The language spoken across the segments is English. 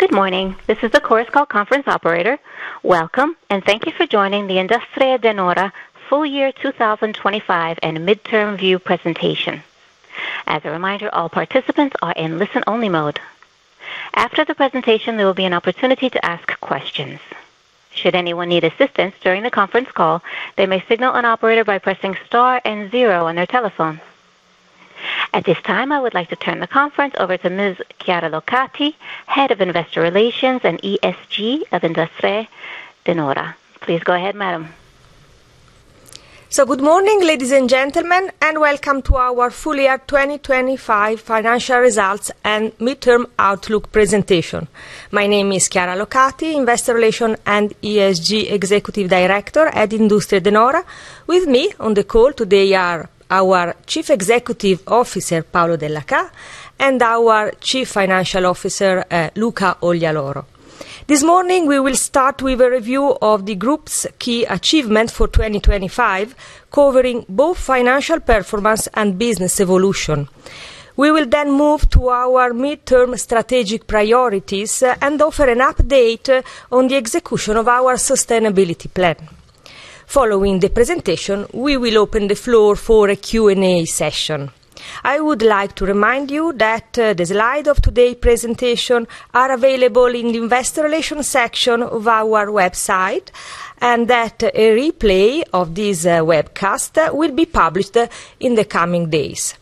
Good morning. This is the Chorus Call conference operator. Welcome, and thank you for joining the Industrie De Nora full year 2025 and Midterm View Presentation. As a reminder, all participants are in listen-only mode. After the presentation, there will be an opportunity to ask questions. Should anyone need assistance during the conference call, they may signal an operator by pressing star and zero on their telephone. At this time, I would like to turn the conference over to Ms. Chiara Locati, Head of Investor Relations and ESG of Industrie De Nora. Please go ahead, madam. Good morning, ladies, and gentlemen, and welcome to our Full Year 2025 Financial Results and Midterm Outlook Presentation. My name is Chiara Locati, Investor Relations and ESG Executive Director at Industrie De Nora. With me on the call today are our Chief Executive Officer, Paolo Dellachà, and our Chief Financial Officer, Luca Oglialoro. This morning, we will start with a review of the group's key achievement for 2025, covering both financial performance and business evolution. We will then move to our midterm strategic priorities and offer an update on the execution of our sustainability plan. Following the presentation, we will open the floor for a Q&A session. I would like to remind you that the slides of today's presentation are available in the Investor Relations section of our website, and that a replay of this webcast will be published in the coming days.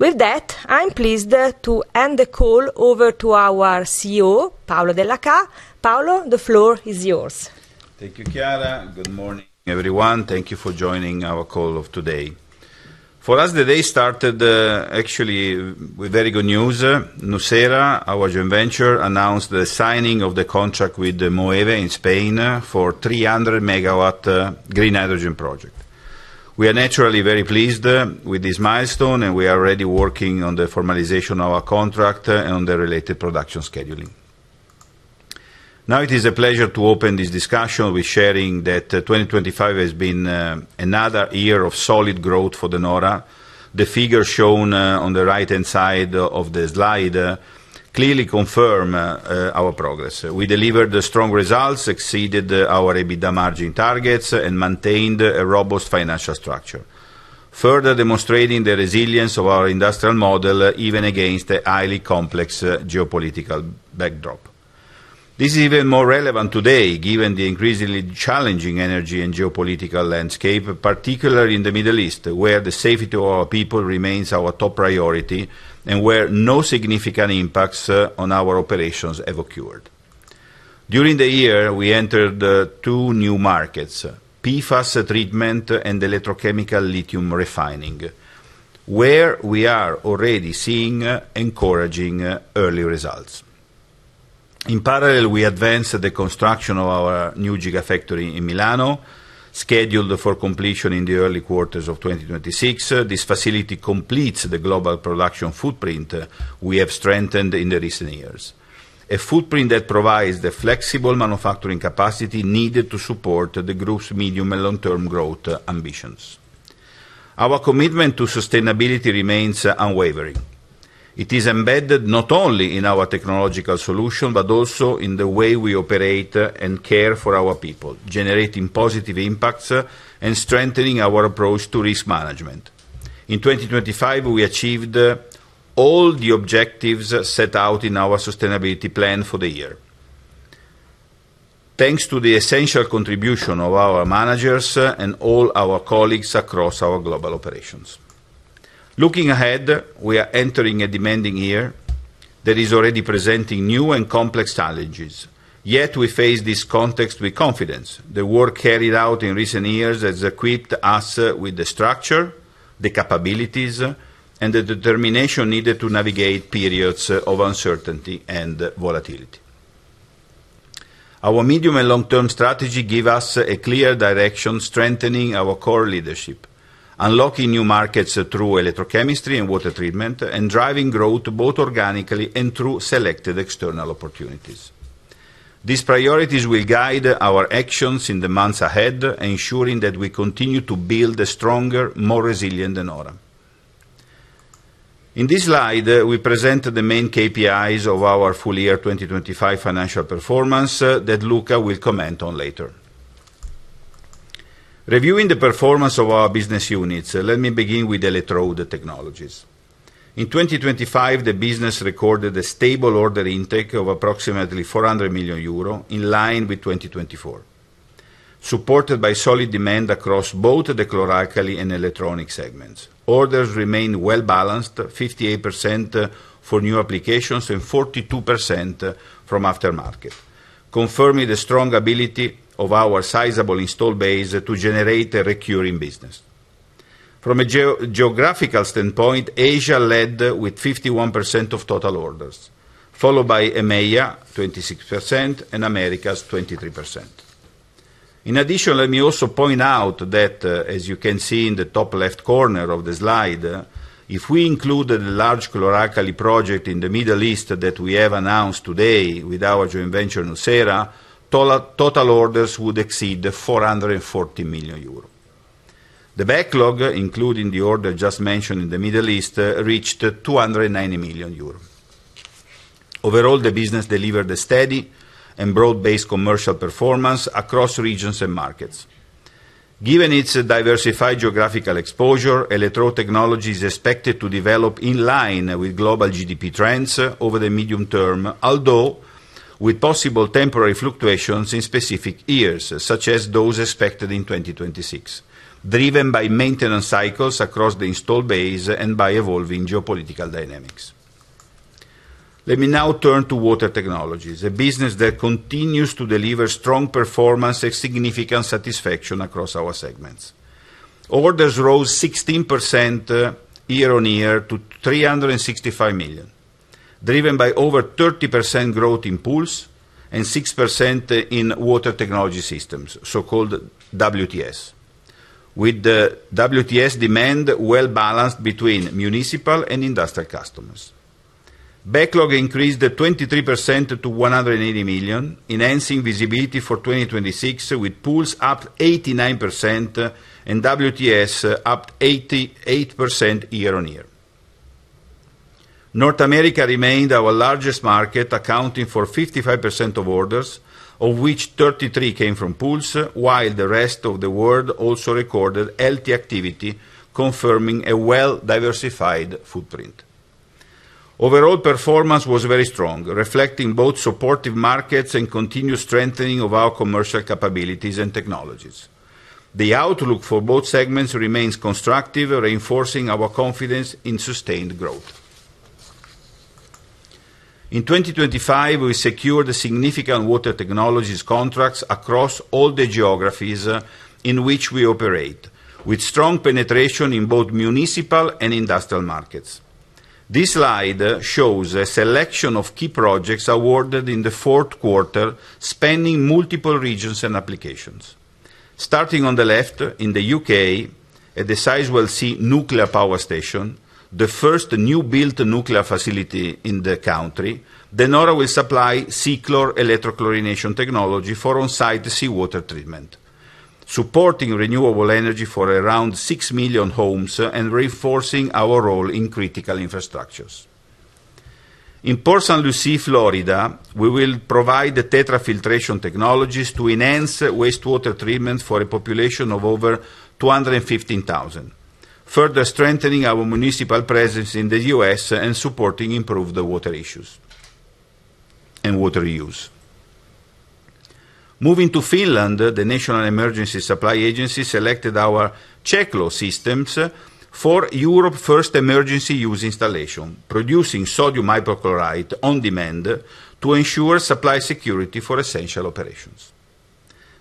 With that, I'm pleased to hand the call over to our CEO, Paolo Dellachà. Paolo, the floor is yours. Thank you, Chiara. Good morning, everyone. Thank you for joining our call of today. For us, the day started actually with very good news, thyssenkrupp nucera, our joint venture, announced the signing of the contract with Moeve in Spain for 300 MW green hydrogen project. We are naturally very pleased with this milestone, and we are already working on the formalization of a contract and on the related production scheduling. Now it is a pleasure to open this discussion with sharing that 2025 has been another year of solid growth for De Nora. The figure shown on the right-hand side of the slide clearly confirm our progress. We delivered strong results, exceeded our EBITDA margin targets, and maintained a robust financial structure, further demonstrating the resilience of our industrial model, even against the highly complex geopolitical backdrop. This is even more relevant today, given the increasingly challenging energy and geopolitical landscape, particularly in the Middle East, where the safety to our people remains our top priority and where no significant impacts on our operations have occurred. During the year, we entered two new markets, PFAS treatment and electrochemical lithium refining, where we are already seeing encouraging early results. In parallel, we advanced the construction of our new gigafactory in Milano, scheduled for completion in the early quarters of 2026. This facility completes the global production footprint we have strengthened in the recent years. A footprint that provides the flexible manufacturing capacity needed to support the group's medium and long-term growth ambitions. Our commitment to sustainability remains unwavering. It is embedded not only in our technological solution, but also in the way we operate and care for our people, generating positive impacts and strengthening our approach to risk management. In 2025, we achieved all the objectives set out in our sustainability plan for the year, thanks to the essential contribution of our managers and all our colleagues across our global operations. Looking ahead, we are entering a demanding year that is already presenting new and complex challenges. Yet we face this context with confidence. The work carried out in recent years has equipped us with the structure, the capabilities, and the determination needed to navigate periods of uncertainty and volatility. Our medium and long-term strategy give us a clear direction, strengthening our core leadership, unlocking new markets through electrochemistry and water treatment, and driving growth both organically and through selected external opportunities. These priorities will guide our actions in the months ahead, ensuring that we continue to build a stronger, more resilient De Nora. In this slide, we present the main KPIs of our full year 2025 financial performance that Luca will comment on later. Reviewing the performance of our business units, let me begin with electrode technologies. In 2025, the business recorded a stable order intake of approximately 400 million euro, in line with 2024, supported by solid demand across both the chlor-alkali and electronics segments. Orders remain well-balanced, 58% for new applications and 42% from aftermarket, confirming the strong ability of our sizable install base to generate a recurring business. From a geographical standpoint, Asia led with 51% of total orders, followed by EMEA, 26%, and Americas, 23%. In addition, let me also point out that, as you can see in the top left corner of the slide, if we included the large chlor-alkali project in the Middle East that we have announced today with our joint venture, thyssenkrupp nucera, total orders would exceed 440 million euros. The backlog, including the order just mentioned in the Middle East, reached 290 million euros. Overall, the business delivered a steady and broad-based commercial performance across regions and markets. Given its diversified geographical exposure, Electrotechnology is expected to develop in line with global GDP trends over the medium term, although with possible temporary fluctuations in specific years, such as those expected in 2026, driven by maintenance cycles across the installed base and by evolving geopolitical dynamics. Let me now turn to Water Technologies, a business that continues to deliver strong performance and significant satisfaction across our segments. Orders rose 16% year-on-year to 365 million, driven by over 30% growth in pools and 6% in water technology systems, so-called WTS. With the WTS demand well-balanced between municipal and industrial customers. Backlog increased 23% to 180 million, enhancing visibility for 2026, with pools up 89% and WTS up 88% year-on-year. North America remained our largest market, accounting for 55% of orders, of which 33% came from pools, while the rest of the world also recorded healthy activity, confirming a well-diversified footprint. Overall performance was very strong, reflecting both supportive markets and continued strengthening of our commercial capabilities and technologies. The outlook for both segments remains constructive, reinforcing our confidence in sustained growth. In 2025, we secured significant water technologies contracts across all the geographies in which we operate, with strong penetration in both municipal and industrial markets. This slide shows a selection of key projects awarded in the fourth quarter, spanning multiple regions and applications. Starting on the left, in the U.K., at the Sizewell C nuclear power station, the first new-built nuclear facility in the country, De Nora will supply SEACLOR electrochlorination technology for on-site seawater treatment, supporting renewable energy for around 6 million homes and reinforcing our role in critical infrastructures. In Port St. Lucie, Florida, we will provide the DE NORA TETRA filtration technologies to enhance wastewater treatment for a population of over 215,000, further strengthening our municipal presence in the U.S. and supporting improved water reuse. Moving to Finland, the National Emergency Supply Agency selected our CECHLO systems for Europe's first emergency use installation, producing sodium hypochlorite on demand to ensure supply security for essential operations.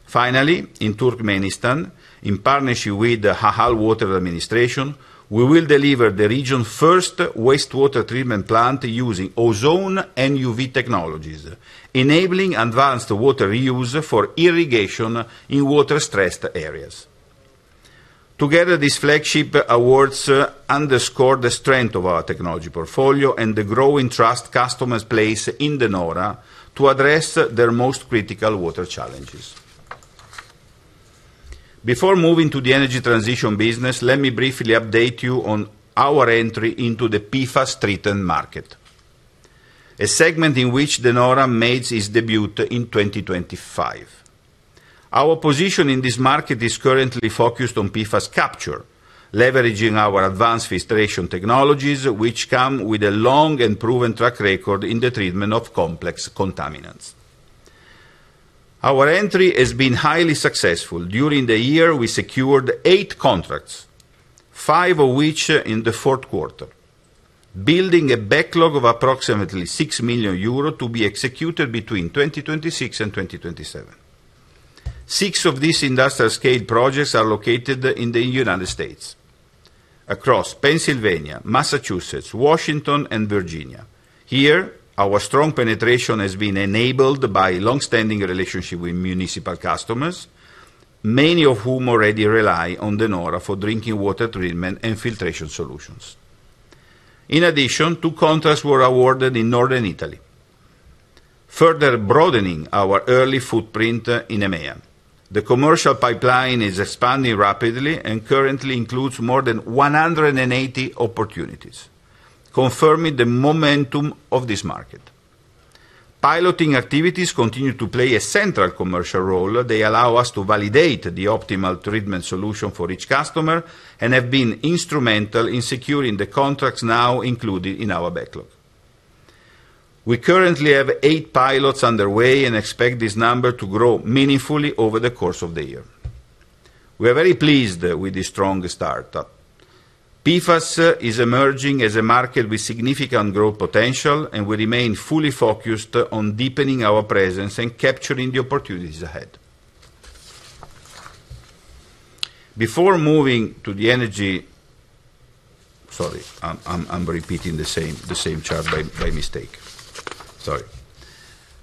Finally, in Turkmenistan, in partnership with the Ahal Water Administration, we will deliver the region's first wastewater treatment plant using ozone and UV technologies, enabling advanced water reuse for irrigation in water-stressed areas. Together, these flagship awards underscore the strength of our technology portfolio and the growing trust customers place in De Nora to address their most critical water challenges. Before moving to the energy transition business, let me briefly update you on our entry into the PFAS treatment market, a segment in which De Nora made its debut in 2025. Our position in this market is currently focused on PFAS capture, leveraging our advanced filtration technologies, which come with a long and proven track record in the treatment of complex contaminants. Our entry has been highly successful. During the year, we secured eight contracts, five of which in the fourth quarter, building a backlog of approximately 6 million euro to be executed between 2026 and 2027. Six of these industrial scale projects are located in the U.S., across Pennsylvania, Massachusetts, Washington, and Virginia. Here, our strong penetration has been enabled by longstanding relationship with municipal customers, many of whom already rely on De Nora for drinking water treatment and filtration solutions. In addition, two contracts were awarded in Northern Italy, further broadening our early footprint in EMEA. The commercial pipeline is expanding rapidly and currently includes more than 180 opportunities, confirming the momentum of this market. Piloting activities continue to play a central commercial role. They allow us to validate the optimal treatment solution for each customer and have been instrumental in securing the contracts now included in our backlog. We currently have eight pilots underway and expect this number to grow meaningfully over the course of the year. We are very pleased with the strong start. PFAS is emerging as a market with significant growth potential, and we remain fully focused on deepening our presence and capturing the opportunities ahead. Sorry, I'm repeating the same chart by mistake. Sorry.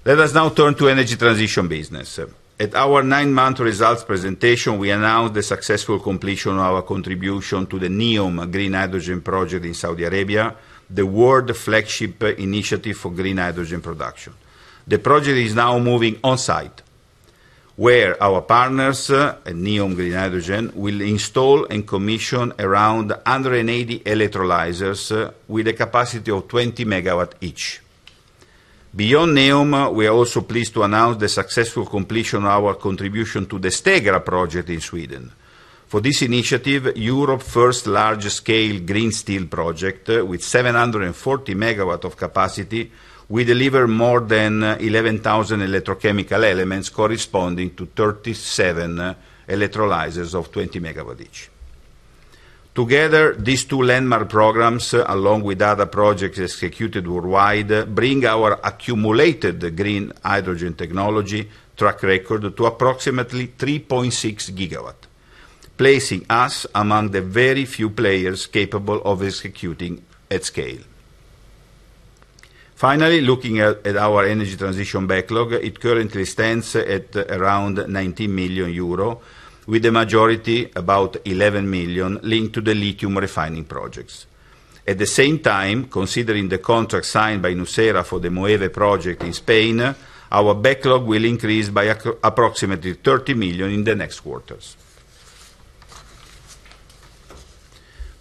Let us now turn to energy transition business. At our nine month results presentation, we announced the successful completion of our contribution to the NEOM Green Hydrogen project in Saudi Arabia, the world's flagship initiative for green hydrogen production. The project is now moving on-site. Where our partners, NEOM Green Hydrogen, will install and commission around 180 electrolyzers with a capacity of 20 MW each. Beyond NEOM, we are also pleased to announce the successful completion of our contribution to the Stegra project in Sweden. For this initiative, Europe's first large-scale green steel project with 740 MW of capacity, we deliver more than 11,000 electrochemical elements corresponding to 37 electrolyzers of 20 MW each. Together, these two landmark programs, along with other projects executed worldwide, bring our accumulated green hydrogen technology track record to approximately 3.6 GW, placing us among the very few players capable of executing at scale. Finally, looking at our energy transition backlog, it currently stands at around 19 million euro, with the majority, about 11 million, linked to the lithium refining projects. At the same time, considering the contract signed by thyssenkrupp nucera for the Moeve project in Spain, our backlog will increase by approximately 30 million in the next quarters.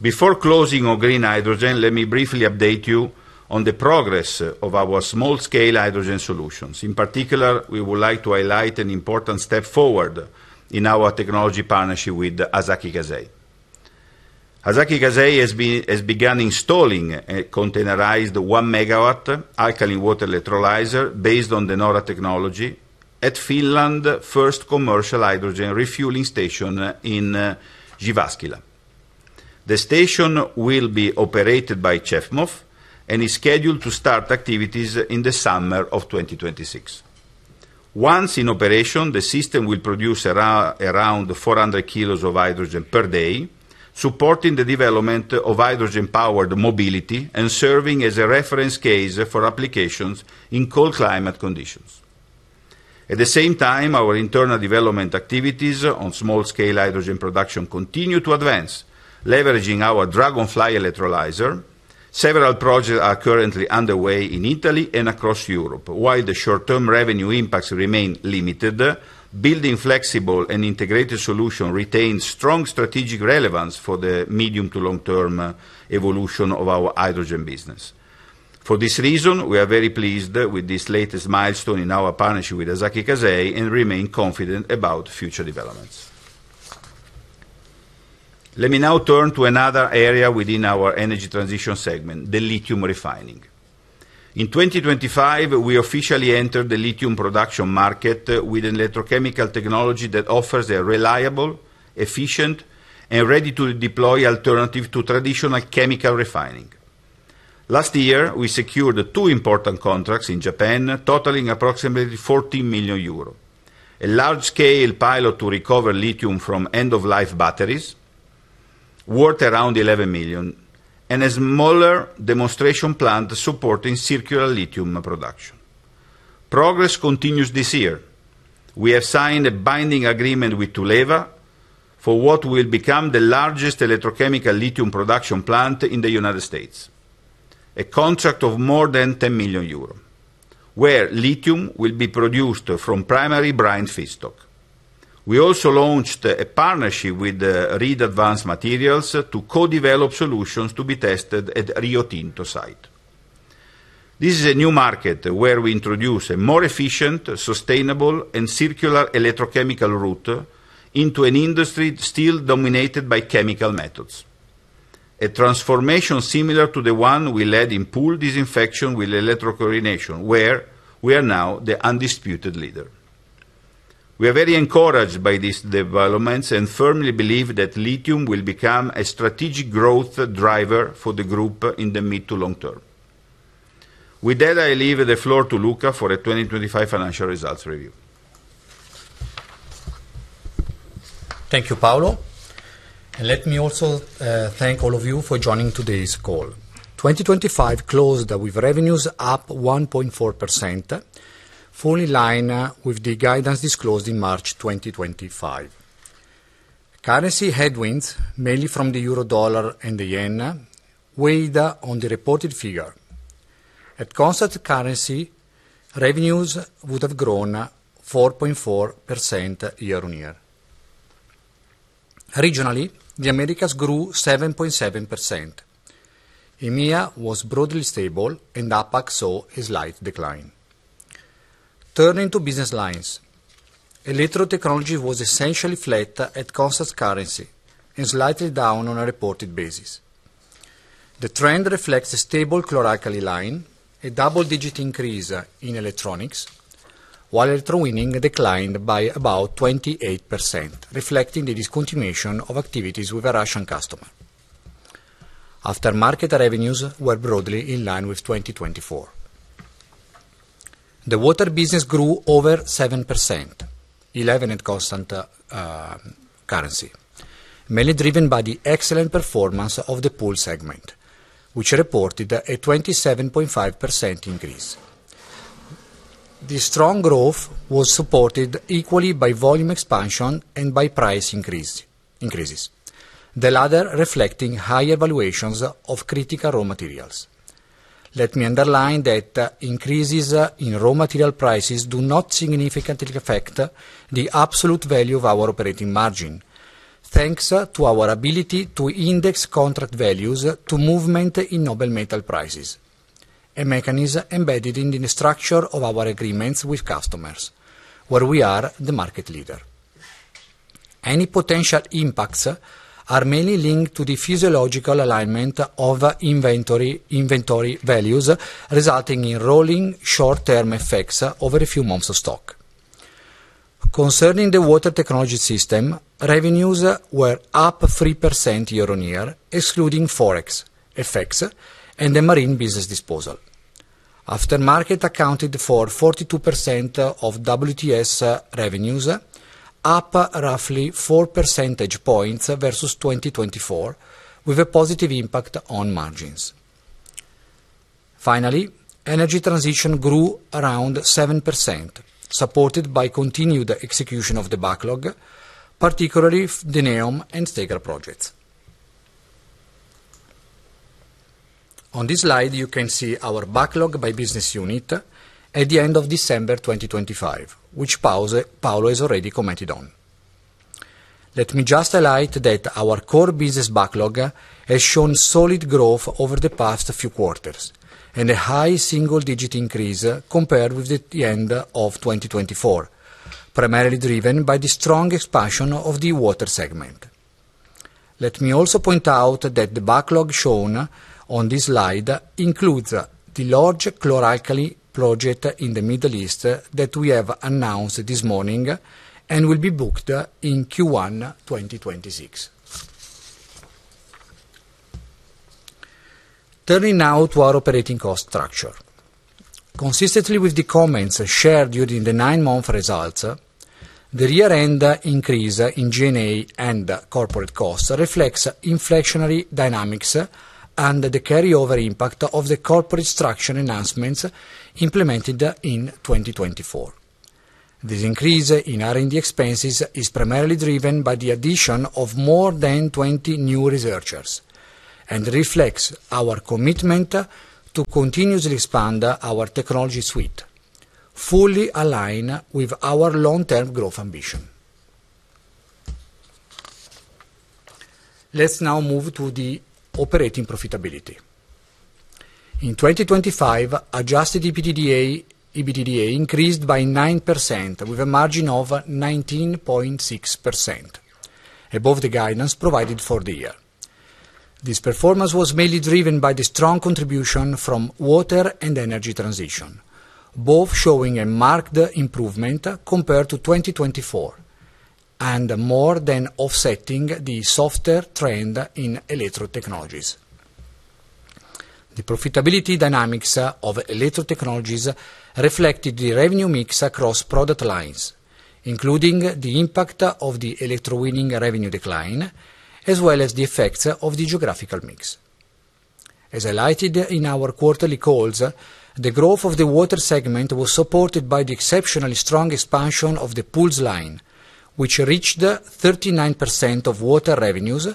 Before closing on green hydrogen, let me briefly update you on the progress of our small scale hydrogen solutions. In particular, we would like to highlight an important step forward in our technology partnership with Asahi Kasei. Asahi Kasei has begun installing a containerized 1 MW alkaline water electrolyzer based on the De Nora technology at Finland's first commercial hydrogen refueling station in Jyväskylä. The station will be operated by Kempower and is scheduled to start activities in the summer of 2026. Once in operation, the system will produce around 400 kilos of hydrogen per day, supporting the development of hydrogen-powered mobility and serving as a reference case for applications in cold climate conditions. At the same time, our internal development activities on small scale hydrogen production continue to advance, leveraging our Dragonfly electrolyzer. Several projects are currently underway in Italy and across Europe. While the short-term revenue impacts remain limited, building flexible and integrated solution retains strong strategic relevance for the medium to long-term evolution of our hydrogen business. For this reason, we are very pleased with this latest milestone in our partnership with Asahi Kasei and remain confident about future developments. Let me now turn to another area within our energy transition segment, the lithium refining. In 2025, we officially entered the lithium production market with an electrochemical technology that offers a reliable, efficient, and ready-to-deploy alternative to traditional chemical refining. Last year, we secured two important contracts in Japan, totaling approximately 40 million euro. A large scale pilot to recover lithium from end-of-life batteries worth around 11 million, and a smaller demonstration plant supporting circular lithium production. Progress continues this year. We have signed a binding agreement with Tuleva for what will become the largest electrochemical lithium production plant in the U.S. A contract of more than 10 million euros, where lithium will be produced from primary brine feedstock. We also launched a partnership with Reed Advanced Materials to co-develop solutions to be tested at Rio Tinto site. This is a new market where we introduce a more efficient, sustainable, and circular electrochemical route into an industry still dominated by chemical methods. A transformation similar to the one we led in pool disinfection with electrochlorination, where we are now the undisputed leader. We are very encouraged by these developments and firmly believe that lithium will become a strategic growth driver for the group in the mid to long term. With that, I leave the floor to Luca for a 2025 financial results review. Thank you, Paolo. Let me also thank all of you for joining today's call. 2025 closed with revenues up 1.4%, fully in line with the guidance disclosed in March 2025. Currency headwinds, mainly from the euro-dollar and the yen, weighed on the reported figure. At constant currency, revenues would have grown 4.4% year-on-year. Regionally, the Americas grew 7.7%. EMEA was broadly stable, and APAC saw a slight decline. Turning to business lines. Electrotechnology was essentially flat at constant currency and slightly down on a reported basis. The trend reflects a stable chlor-alkali line, a double-digit increase in electronics, while electrowinning declined by about 28%, reflecting the discontinuation of activities with a Russian customer. Aftermarket revenues were broadly in line with 2024. The water business grew over 7%, 11% at constant currency. Mainly driven by the excellent performance of the pool segment, which reported a 27.5% increase. The strong growth was supported equally by volume expansion and by price increases, the latter reflecting high valuations of critical raw materials. Let me underline that increases in raw material prices do not significantly affect the absolute value of our operating margin. Thanks to our ability to index contract values to movement in noble metal prices, a mechanism embedded in the structure of our agreements with customers, where we are the market leader. Any potential impacts are mainly linked to the physical alignment of inventory values, resulting in rolling short-term effects over a few months of stock. Concerning the water technology system, revenues were up 3% year-on-year, excluding Forex effects and the marine business disposal. Aftermarket accounted for 42% of WTS revenues, up roughly 4 percentage points versus 2024, with a positive impact on margins. Finally, energy transition grew around 7%, supported by continued execution of the backlog, particularly the NEOM and Stegra projects. On this slide, you can see our backlog by business unit at the end of December 2025, which Paolo has already commented on. Let me just highlight that our core business backlog has shown solid growth over the past few quarters and a high single-digit increase compared with the end of 2024, primarily driven by the strong expansion of the water segment. Let me also point out that the backlog shown on this slide includes the large chlor-alkali project in the Middle East that we have announced this morning and will be booked in Q1 2026. Turning now to our operating cost structure. Consistently with the comments shared during the nine month results, the year-end increase in G&A and corporate costs reflects inflationary dynamics and the carryover impact of the corporate structure enhancements implemented in 2024. This increase in R&D expenses is primarily driven by the addition of more than 20 new researchers and reflects our commitment to continuously expand our technology suite, fully aligned with our long-term growth ambition. Let's now move to the operating profitability. In 2025, Adjusted EBITDA increased by 9% with a margin of 19.6%, above the guidance provided for the year. This performance was mainly driven by the strong contribution from water and energy transition, both showing a marked improvement compared to 2024 and more than offsetting the softer trend in electro technologies. The profitability dynamics of electro technologies reflected the revenue mix across product lines, including the impact of the electrowinning revenue decline, as well as the effects of the geographical mix. As highlighted in our quarterly calls, the growth of the water segment was supported by the exceptionally strong expansion of the pools line, which reached 39% of water revenues,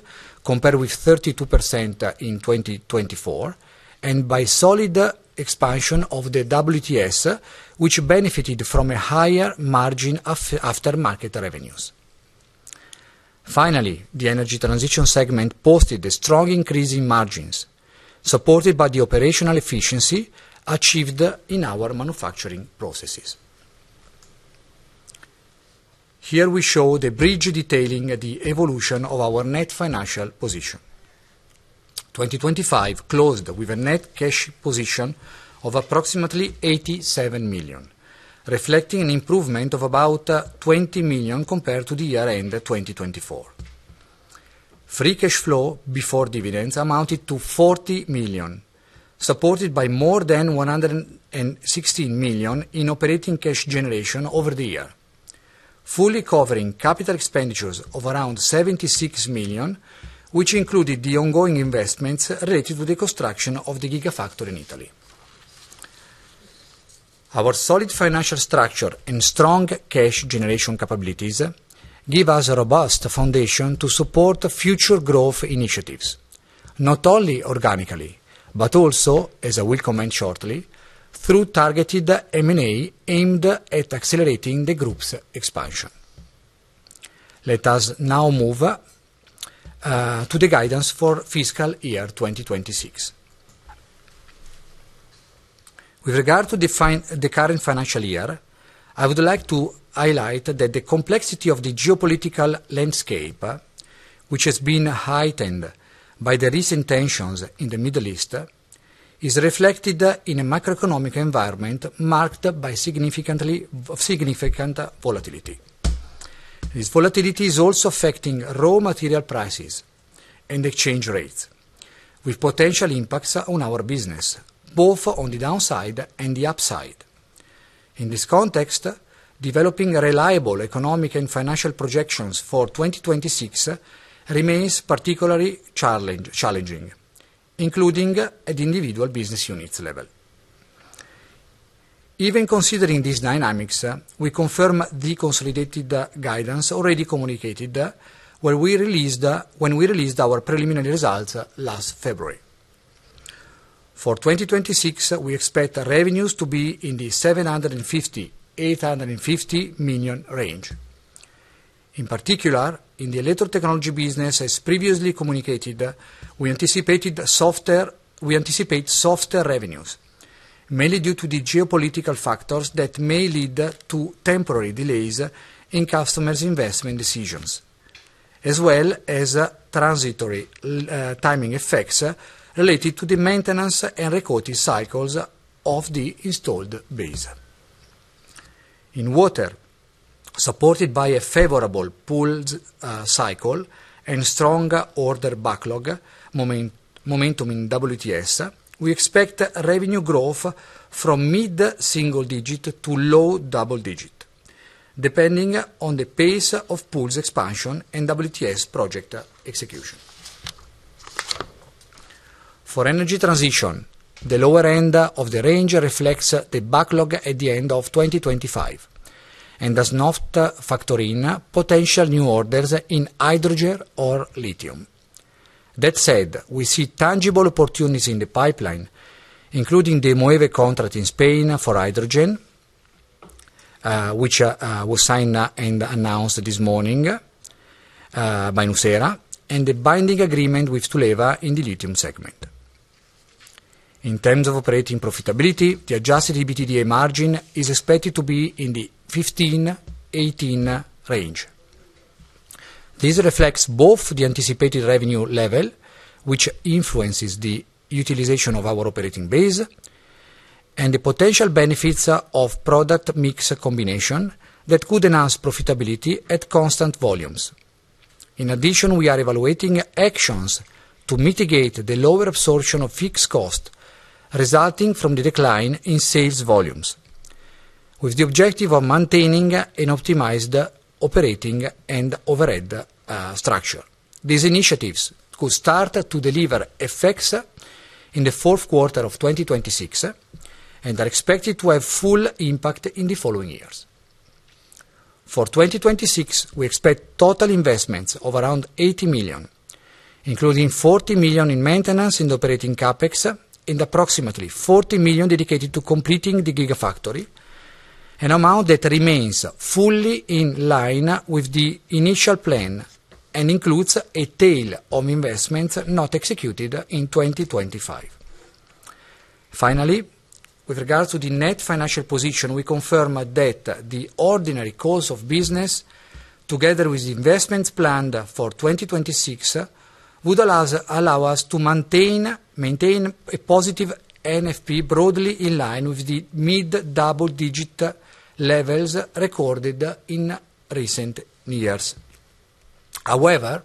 compared with 32% in 2024, and by solid expansion of the WTS, which benefited from a higher margin after market revenues. Finally, the energy transition segment posted a strong increase in margins, supported by the operational efficiency achieved in our manufacturing processes. Here we show the bridge detailing the evolution of our net financial position. 2025 closed with a net cash position of approximately 87 million, reflecting an improvement of about 20 million compared to the year-end 2024. Free cash flow before dividends amounted to 40 million, supported by more than 116 million in operating cash generation over the year, fully covering capital expenditures of around 76 million, which included the ongoing investments related to the construction of the gigafactory in Italy. Our solid financial structure and strong cash generation capabilities give us a robust foundation to support future growth initiatives, not only organically, but also, as I will comment shortly, through targeted M&A aimed at accelerating the group's expansion. Let us now move to the guidance for fiscal year 2026. With regard to the current financial year, I would like to highlight that the complexity of the geopolitical landscape, which has been heightened by the recent tensions in the Middle East, is reflected in a macroeconomic environment marked by significant volatility. This volatility is also affecting raw material prices and exchange rates, with potential impacts on our business, both on the downside and the upside. In this context, developing reliable economic and financial projections for 2026 remains particularly challenging, including at individual business units level. Even considering these dynamics, we confirm the consolidated guidance already communicated where we released, when we released our preliminary results last February. For 2026, we expect revenues to be in the 750 million-850 million range. In particular, in the electro technology business, as previously communicated, we anticipate softer revenues, mainly due to the geopolitical factors that may lead to temporary delays in customers' investment decisions, as well as transitory timing effects related to the maintenance and recording cycles of the installed base. In water, supported by a favorable pools cycle and strong order backlog momentum in WTS, we expect revenue growth from mid-single digit to low double digit, depending on the pace of pools expansion and WTS project execution. For energy transition, the lower end of the range reflects the backlog at the end of 2025, and does not factor in potential new orders in hydrogen or lithium. That said, we see tangible opportunities in the pipeline, including the Moeve contract in Spain for hydrogen, which was signed and announced this morning by thyssenkrupp nucera, and the binding agreement with Tuleva in the lithium segment. In terms of operating profitability, the Adjusted EBITDA margin is expected to be in the 15%-18% range. This reflects both the anticipated revenue level, which influences the utilization of our operating base, and the potential benefits of product mix combination that could enhance profitability at constant volumes. In addition, we are evaluating actions to mitigate the lower absorption of fixed cost resulting from the decline in sales volumes, with the objective of maintaining and optimized operating and overhead structure. These initiatives could start to deliver effects in the fourth quarter of 2026, and are expected to have full impact in the following years. For 2026, we expect total investments of around 80 million, including 40 million in maintenance in the operating CapEx, and approximately 40 million dedicated to completing the gigafactory, an amount that remains fully in line with the initial plan and includes a tail of investments not executed in 2025. Finally, with regards to the net financial position, we confirm that the ordinary course of business, together with the investments planned for 2026, would allow us to maintain a positive NFP broadly in line with the mid-double-digit levels recorded in recent years. However,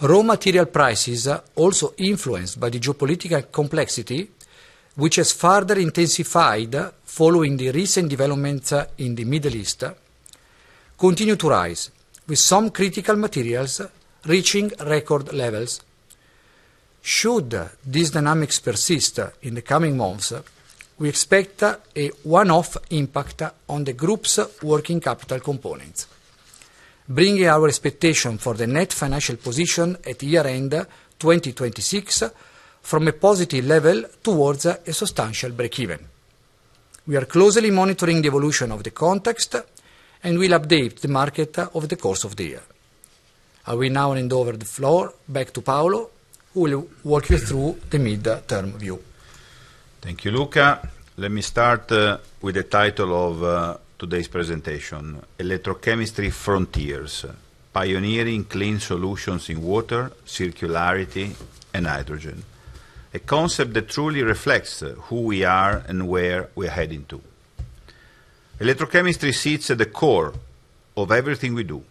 raw material prices, also influenced by the geopolitical complexity, which has further intensified following the recent developments in the Middle East, continue to rise, with some critical materials reaching record levels. Should these dynamics persist in the coming months, we expect a one-off impact on the group's working capital components, bringing our expectation for the net financial position at year-end 2026 from a positive level towards a substantial break-even. We are closely monitoring the evolution of the context, and will update the market over the course of the year. I will now hand over the floor back to Paolo, who will walk you through the mid-term view. Thank you, Luca. Let me start with the title of today's presentation, Electrochemistry Frontiers: Pioneering Clean Solutions in Water, Circularity and Hydrogen. A concept that truly reflects who we are and where we're heading to. Electrochemistry sits at the core of everything we do.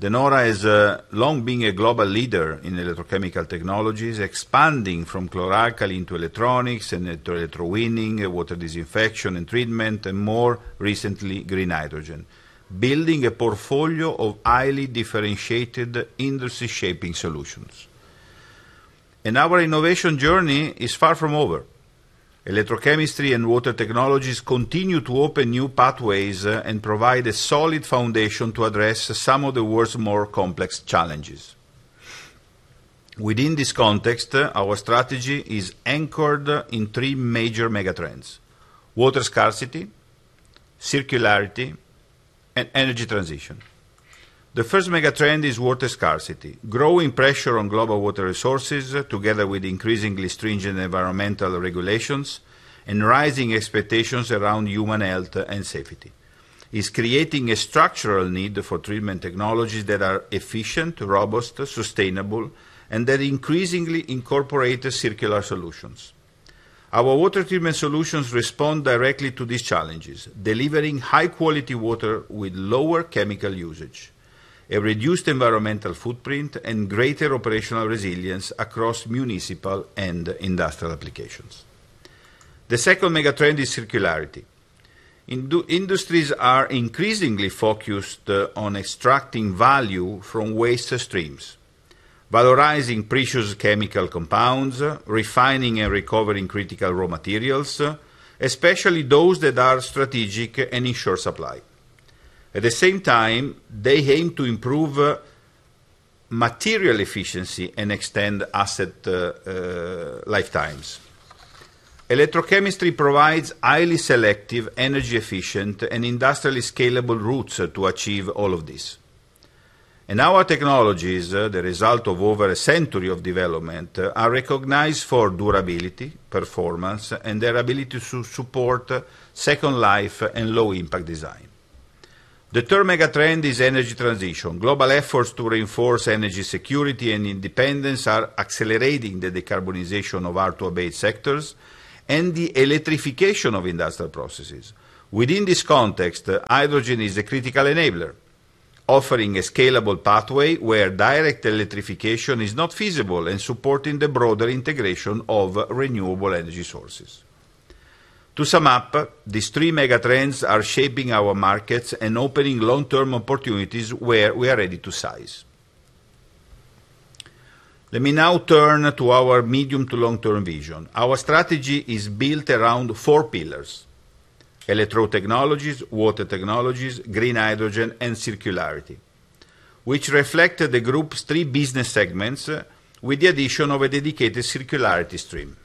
De Nora has long been a global leader in electrochemical technologies, expanding from chlor-alkali into electronics and to electrowinning, water disinfection and treatment, and more recently, green hydrogen, building a portfolio of highly differentiated industry-shaping solutions. Our innovation journey is far from over. Electrochemistry and water technologies continue to open new pathways and provide a solid foundation to address some of the world's more complex challenges. Within this context, our strategy is anchored in three major megatrends: water scarcity, circularity, and energy transition. The first megatrend is water scarcity. Growing pressure on global water resources, together with increasingly stringent environmental regulations and rising expectations around human health and safety, is creating a structural need for treatment technologies that are efficient, robust, sustainable, and that increasingly incorporate circular solutions. Our water treatment solutions respond directly to these challenges, delivering high-quality water with lower chemical usage, a reduced environmental footprint, and greater operational resilience across municipal and industrial applications. The second megatrend is circularity. Industries are increasingly focused on extracting value from waste streams. Valorizing precious chemical compounds, refining and recovering critical raw materials, especially those that are strategic and ensure supply. At the same time, they aim to improve material efficiency and extend asset lifetimes. Electrochemistry provides highly selective, energy efficient, and industrially scalable routes to achieve all of this. Our technologies, the result of over a century of development, are recognized for durability, performance, and their ability to support second life and low impact design. The third megatrend is energy transition. Global efforts to reinforce energy security and independence are accelerating the decarbonization of hard-to-abate sectors and the electrification of industrial processes. Within this context, hydrogen is a critical enabler, offering a scalable pathway where direct electrification is not feasible and supporting the broader integration of renewable energy sources. To sum up, these three megatrends are shaping our markets and opening long-term opportunities where we are ready to seize. Let me now turn to our medium to long-term vision. Our strategy is built around four pillars: electrode technologies, water technologies, green hydrogen, and circularity, which reflect the group's three business segments with the addition of a dedicated circularity stream.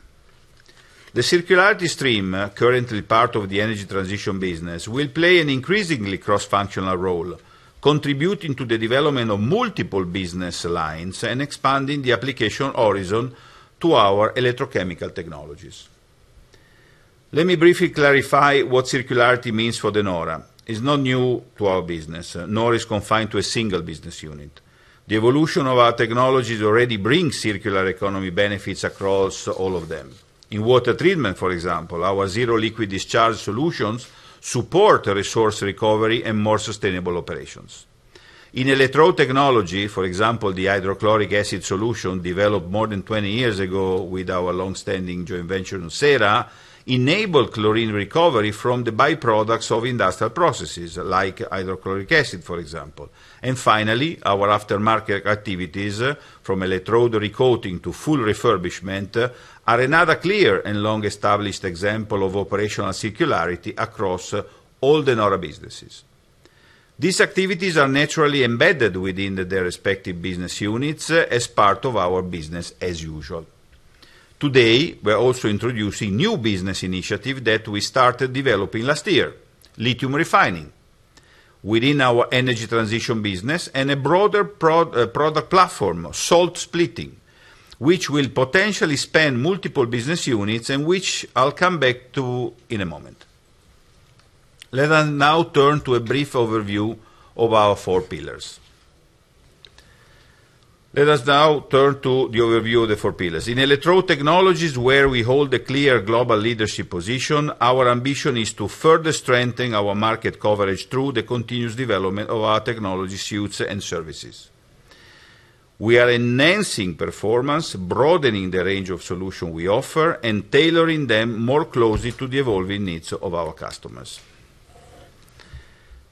The circularity stream, currently part of the energy transition business, will play an increasingly cross-functional role, contributing to the development of multiple business lines and expanding the application horizon to our electrochemical technologies. Let me briefly clarify what circularity means for De Nora. It's not new to our business, nor is it confined to a single business unit. The evolution of our technologies already bring circular economy benefits across all of them. In water treatment, for example, our zero liquid discharge solutions support resource recovery and more sustainable operations. In electrode technology, for example, the hydrochloric acid solution developed more than 20 years ago with our long-standing joint venture, thyssenkrupp nucera, enabled chlorine recovery from the by-products of industrial processes like hydrochloric acid, for example. Finally, our aftermarket activities, from electrode recoating to full refurbishment, are another clear and long-established example of operational circularity across all De Nora businesses. These activities are naturally embedded within the respective business units as part of our business as usual. Today, we're also introducing new business initiative that we started developing last year, lithium refining, within our energy transition business and a broader product platform, salt splitting, which will potentially span multiple business units and which I'll come back to in a moment. Let us now turn to a brief overview of our four pillars. In electrode technologies, where we hold a clear global leadership position, our ambition is to further strengthen our market coverage through the continuous development of our technology suites and services. We are enhancing performance, broadening the range of solution we offer, and tailoring them more closely to the evolving needs of our customers.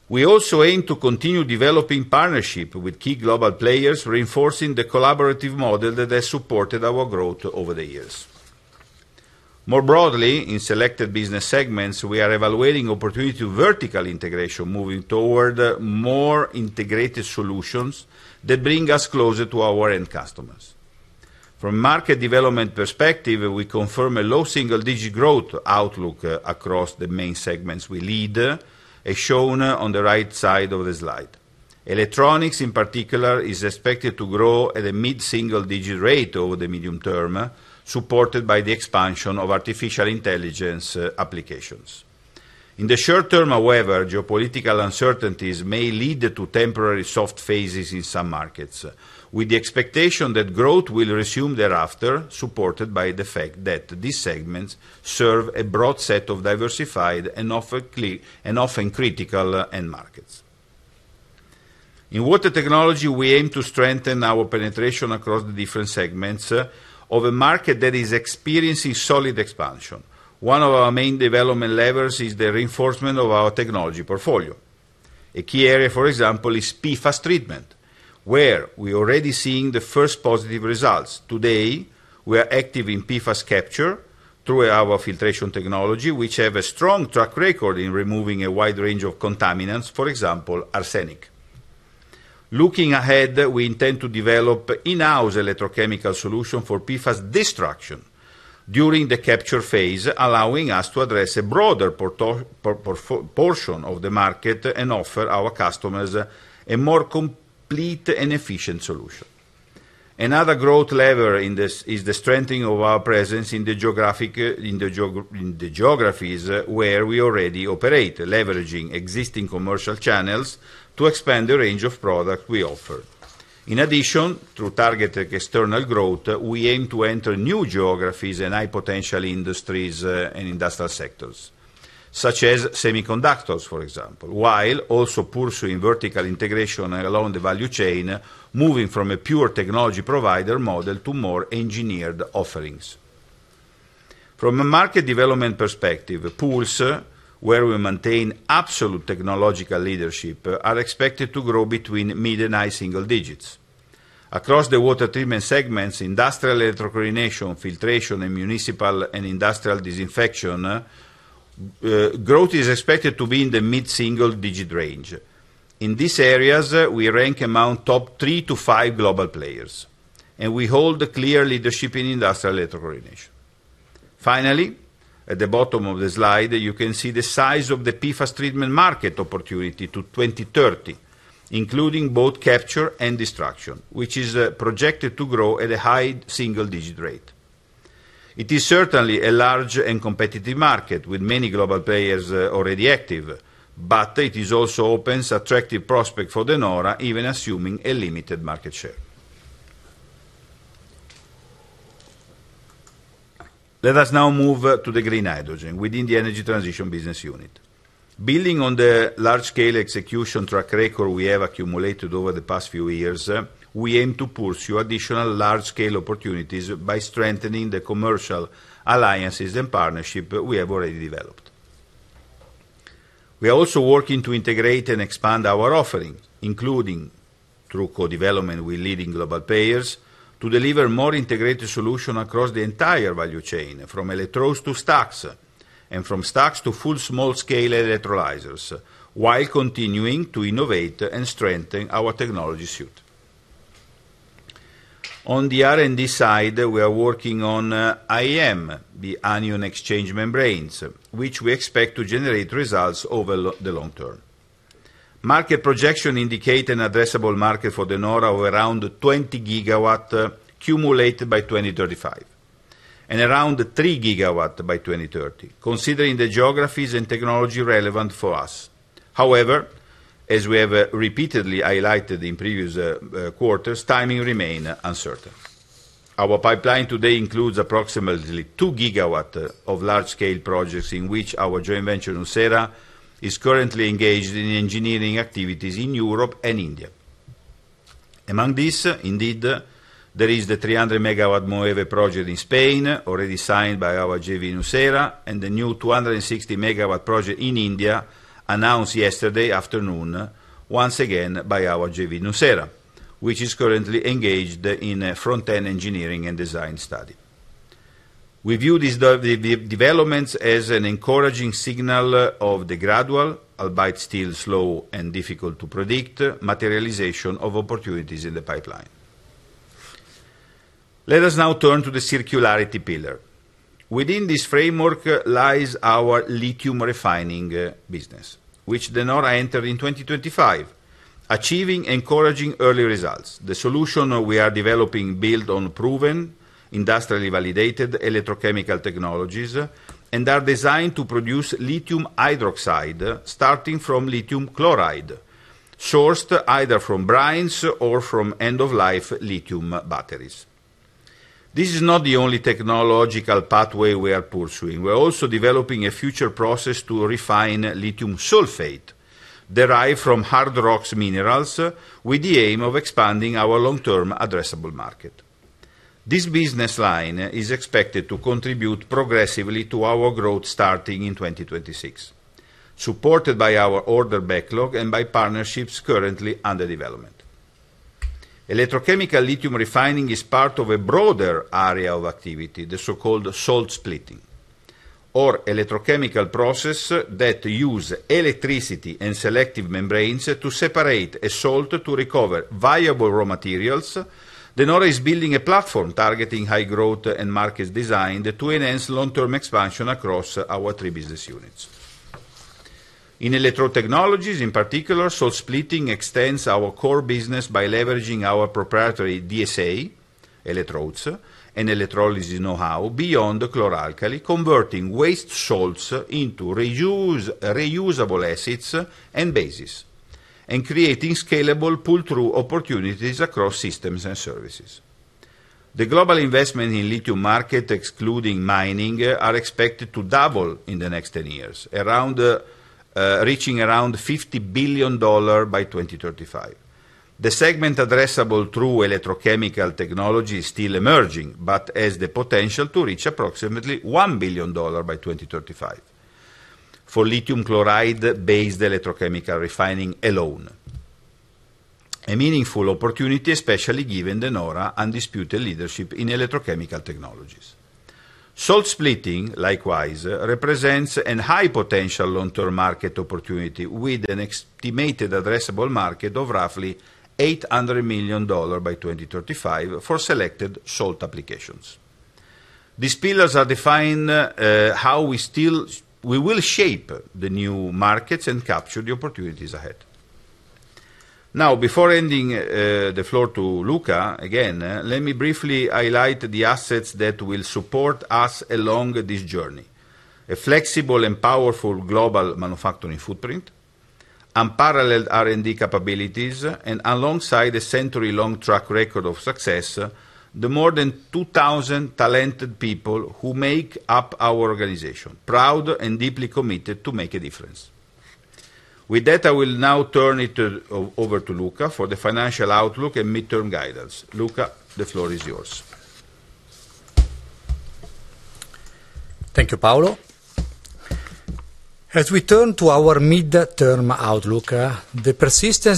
We also aim to continue developing partnership with key global players, reinforcing the collaborative model that has supported our growth over the years. More broadly, in selected business segments, we are evaluating opportunity to vertical integration, moving toward more integrated solutions that bring us closer to our end customers. From market development perspective, we confirm a low single digit growth outlook across the main segments we lead, as shown on the right side of the slide. Electronics, in particular, is expected to grow at a mid-single digit rate over the medium term, supported by the expansion of artificial intelligence applications. In the short term, however, geopolitical uncertainties may lead to temporary soft phases in some markets, with the expectation that growth will resume thereafter, supported by the fact that these segments serve a broad set of diversified and often critical end markets. In water technology, we aim to strengthen our penetration across the different segments of a market that is experiencing solid expansion. One of our main development levers is the reinforcement of our technology portfolio. A key area, for example, is PFAS treatment, where we are already seeing the first positive results. Today, we are active in PFAS capture through our filtration technology, which have a strong track record in removing a wide range of contaminants, for example, arsenic. Looking ahead, we intend to develop in-house electrochemical solution for PFAS destruction during the capture phase, allowing us to address a broader portion of the market and offer our customers a more complete and efficient solution. Another growth lever in this is the strengthening of our presence in the geographies where we already operate, leveraging existing commercial channels to expand the range of product we offer. In addition, through targeted external growth, we aim to enter new geographies and high potential industries and industrial sectors, such as semiconductors, for example, while also pursuing vertical integration along the value chain, moving from a pure technology provider model to more engineered offerings. From a market development perspective, pools where we maintain absolute technological leadership are expected to grow between mid- and high-single-digit %. Across the water treatment segments, industrial electrochlorination, filtration, and municipal and industrial disinfection, growth is expected to be in the mid-single-digit % range. In these areas, we rank among top three to five global players, and we hold clearly the shipping industrial electrochlorination. Finally, at the bottom of the slide, you can see the size of the PFAS treatment market opportunity to 2030, including both capture and destruction, which is projected to grow at a high single-digit % rate. It is certainly a large and competitive market with many global players already active, but it also opens attractive prospect for De Nora, even assuming a limited market share. Let us now move to the green hydrogen within the energy transition business unit. Building on the large-scale execution track record we have accumulated over the past few years, we aim to pursue additional large-scale opportunities by strengthening the commercial alliances and partnership we have already developed. We are also working to integrate and expand our offering, including through co-development with leading global players to deliver more integrated solution across the entire value chain, from electrodes to stacks, and from stacks to full small-scale electrolyzers, while continuing to innovate and strengthen our technology suite. On the R&D side, we are working on AEM, the anion exchange membranes, which we expect to generate results over the long term. Market projection indicate an addressable market for De Nora of around 20 GW cumulated by 2035, and around 3 GW by 2030, considering the geographies and technology relevant for us. However, as we have repeatedly highlighted in previous quarters, timing remain uncertain. Our pipeline today includes approximately 2 GW of large-scale projects in which our joint venture, thyssenkrupp nucera, is currently engaged in engineering activities in Europe and India. Among this, indeed, there is the 300 MW Moeve project in Spain, already signed by our JV, thyssenkrupp nucera, and the new 260 MW project in India, announced yesterday afternoon, once again by our JV, thyssenkrupp nucera, which is currently engaged in a front-end engineering and design study. We view these developments as an encouraging signal of the gradual, albeit still slow and difficult to predict, materialization of opportunities in the pipeline. Let us now turn to the circularity pillar. Within this framework lies our lithium refining business, which De Nora entered in 2025, achieving encouraging early results. The solution we are developing build on proven, industrially validated electrochemical technologies, and are designed to produce lithium hydroxide, starting from lithium chloride, sourced either from brines or from end-of-life lithium batteries. This is not the only technological pathway we are pursuing. We are also developing a future process to refine lithium sulfate derived from hard rocks minerals with the aim of expanding our long-term addressable market. This business line is expected to contribute progressively to our growth starting in 2026, supported by our order backlog and by partnerships currently under development. Electrochemical lithium refining is part of a broader area of activity, the so-called salt splitting, or electrochemical process that use electricity and selective membranes to separate a salt to recover viable raw materials. De Nora is building a platform targeting high growth and markets designed to enhance long-term expansion across our three business units. In electro technologies, in particular, salt splitting extends our core business by leveraging our proprietary DSA, electrodes, and electrolysis know-how beyond chlor-alkali, converting waste salts into reuse, reusable assets and bases, and creating scalable pull-through opportunities across systems and services. The global investment in lithium market, excluding mining, are expected to double in the next 10 years, around reaching around $50 billion by 2035. The segment addressable through electrochemical technology is still emerging, but has the potential to reach approximately $1 billion by 2035 for lithium chloride-based electrochemical refining alone. A meaningful opportunity, especially given De Nora undisputed leadership in electrochemical technologies. Salt splitting, likewise, represents a high potential long-term market opportunity with an estimated addressable market of roughly $800 million by 2035 for selected salt applications. These pillars are defined we will shape the new markets and capture the opportunities ahead. Now, before ending, the floor to Luca, again, let me briefly highlight the assets that will support us along this journey. A flexible and powerful global manufacturing footprint, unparalleled R&D capabilities, and, alongside a century-long track record of success, the more than 2,000 talented people who make up our organization, proud and deeply committed to make a difference. With that, I will now turn it over to Luca for the financial outlook and midterm guidance. Luca, the floor is yours. Thank you, Paolo. As we turn to our midterm outlook, the persistent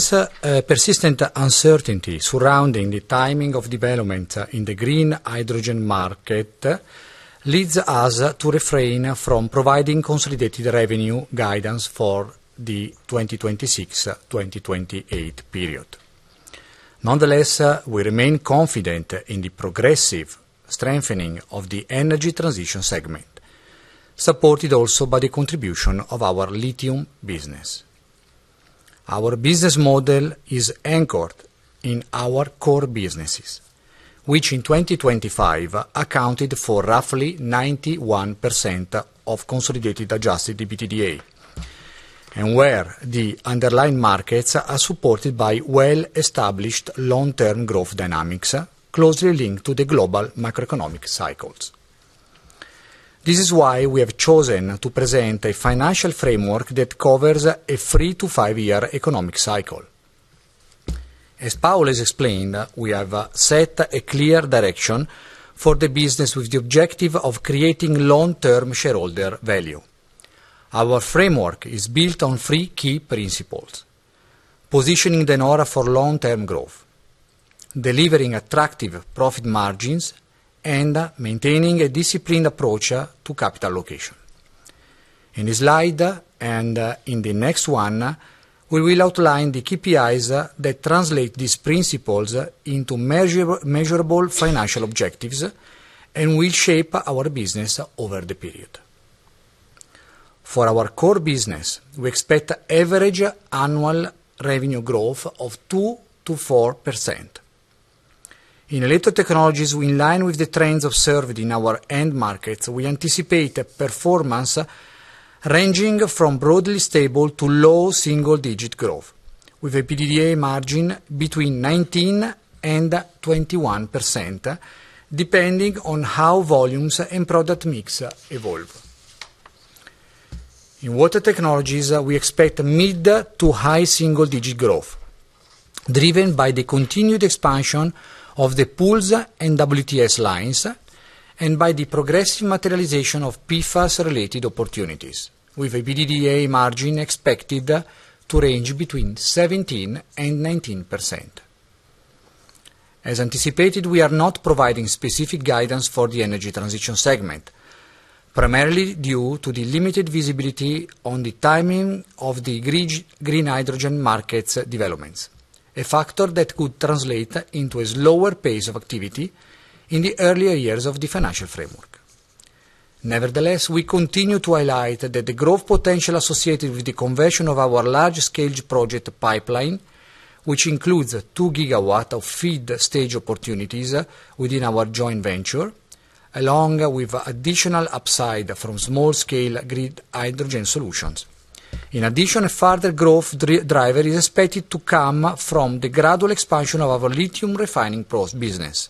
uncertainty surrounding the timing of development in the green hydrogen market leads us to refrain from providing consolidated revenue guidance for the 2026-2028 period. Nonetheless, we remain confident in the progressive strengthening of the energy transition segment, supported also by the contribution of our lithium business. Our business model is anchored in our core businesses, which in 2025 accounted for roughly 91% of consolidated Adjusted EBITDA, and where the underlying markets are supported by well-established long-term growth dynamics closely linked to the global macroeconomic cycles. This is why we have chosen to present a financial framework that covers a three to five year economic cycle. As Paolo has explained, we have set a clear direction for the business with the objective of creating long-term shareholder value. Our framework is built on three key principles: positioning De Nora for long-term growth, delivering attractive profit margins, and maintaining a disciplined approach to capital allocation. In this slide and in the next one, we will outline the KPIs that translate these principles into measurable financial objectives and will shape our business over the period. For our core business, we expect average annual revenue growth of 2%-4%. In Electro Technologies, in line with the trends observed in our end markets, we anticipate a performance ranging from broadly stable to low single digit growth, with an EBITDA margin between 19%-21%, depending on how volumes and product mix evolve. In Water Technologies, we expect mid- to high-single-digit growth driven by the continued expansion of the pools and WTS lines and by the progressive materialization of PFAS-related opportunities, with an EBITDA margin expected to range between 17% and 19%. As anticipated, we are not providing specific guidance for the energy transition segment, primarily due to the limited visibility on the timing of the green hydrogen market developments, a factor that could translate into a slower pace of activity in the earlier years of the financial framework. Nevertheless, we continue to highlight that the growth potential associated with the conversion of our large-scale project pipeline, which includes 2 GW of FEED-stage opportunities within our joint venture, along with additional upside from small-scale grid hydrogen solutions. In addition, a further growth driver is expected to come from the gradual expansion of our lithium refining process business.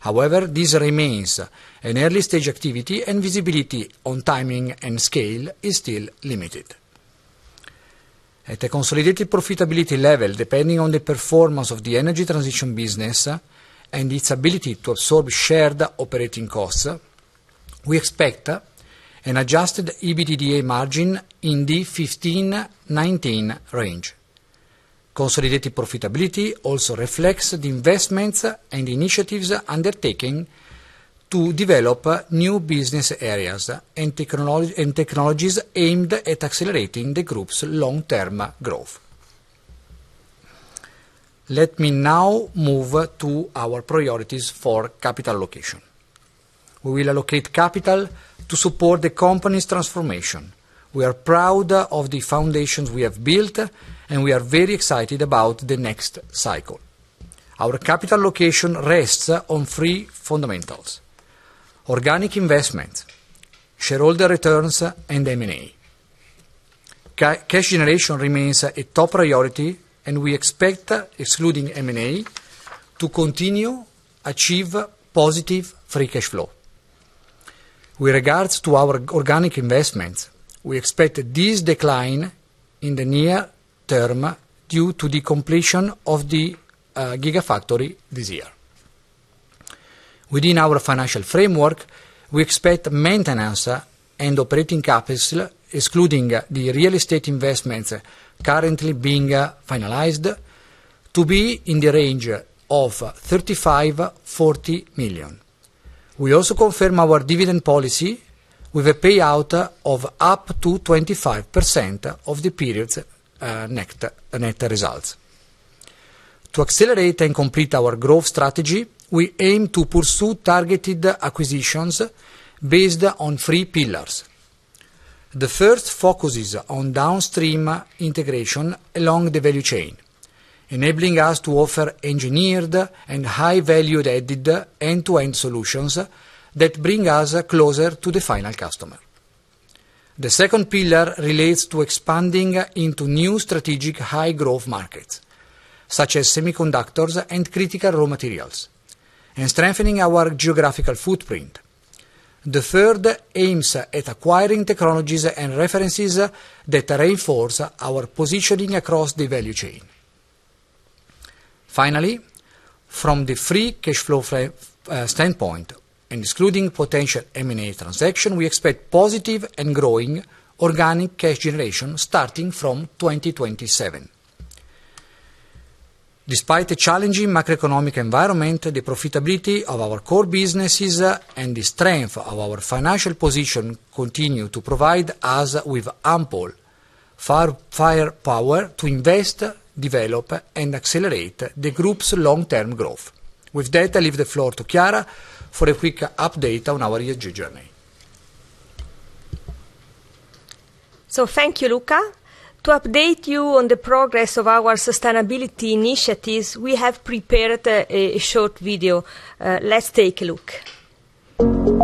However, this remains an early stage activity, and visibility on timing and scale is still limited. At a consolidated profitability level, depending on the performance of the energy transition business and its ability to absorb shared operating costs, we expect an Adjusted EBITDA margin in the 15%-19% range. Consolidated profitability also reflects the investments and initiatives undertaken to develop new business areas and technologies aimed at accelerating the group's long-term growth. Let me now move to our priorities for capital allocation. We will allocate capital to support the company's transformation. We are proud of the foundations we have built, and we are very excited about the next cycle. Our capital allocation rests on three fundamentals, organic investment, shareholder returns, and M&A. Cash generation remains a top priority, and we expect, excluding M&A, to continue achieve positive free cash flow. With regards to our organic investments, we expect this decline in the near term due to the completion of the gigafactory this year. Within our financial framework, we expect maintenance and operating capital, excluding the real estate investments currently being finalized, to be in the range of 35 million-40 million. We also confirm our dividend policy with a payout of up to 25% of the period's net results. To accelerate and complete our growth strategy, we aim to pursue targeted acquisitions based on three pillars. The first focuses on downstream integration along the value chain, enabling us to offer engineered and high value added end-to-end solutions that bring us closer to the final customer. The second pillar relates to expanding into new strategic high growth markets, such as semiconductors and critical raw materials, and strengthening our geographical footprint. The third aims at acquiring technologies and references that reinforce our positioning across the value chain. Finally, from the free cash flow standpoint, and excluding potential M&A transaction, we expect positive and growing organic cash generation starting from 2027. Despite the challenging macroeconomic environment, the profitability of our core businesses and the strength of our financial position continue to provide us with ample firepower to invest, develop and accelerate the group's long-term growth. With that, I leave the floor to Chiara for a quick update on our ESG journey. Thank you, Luca. To update you on the progress of our sustainability initiatives, we have prepared a short video. Let's take a look.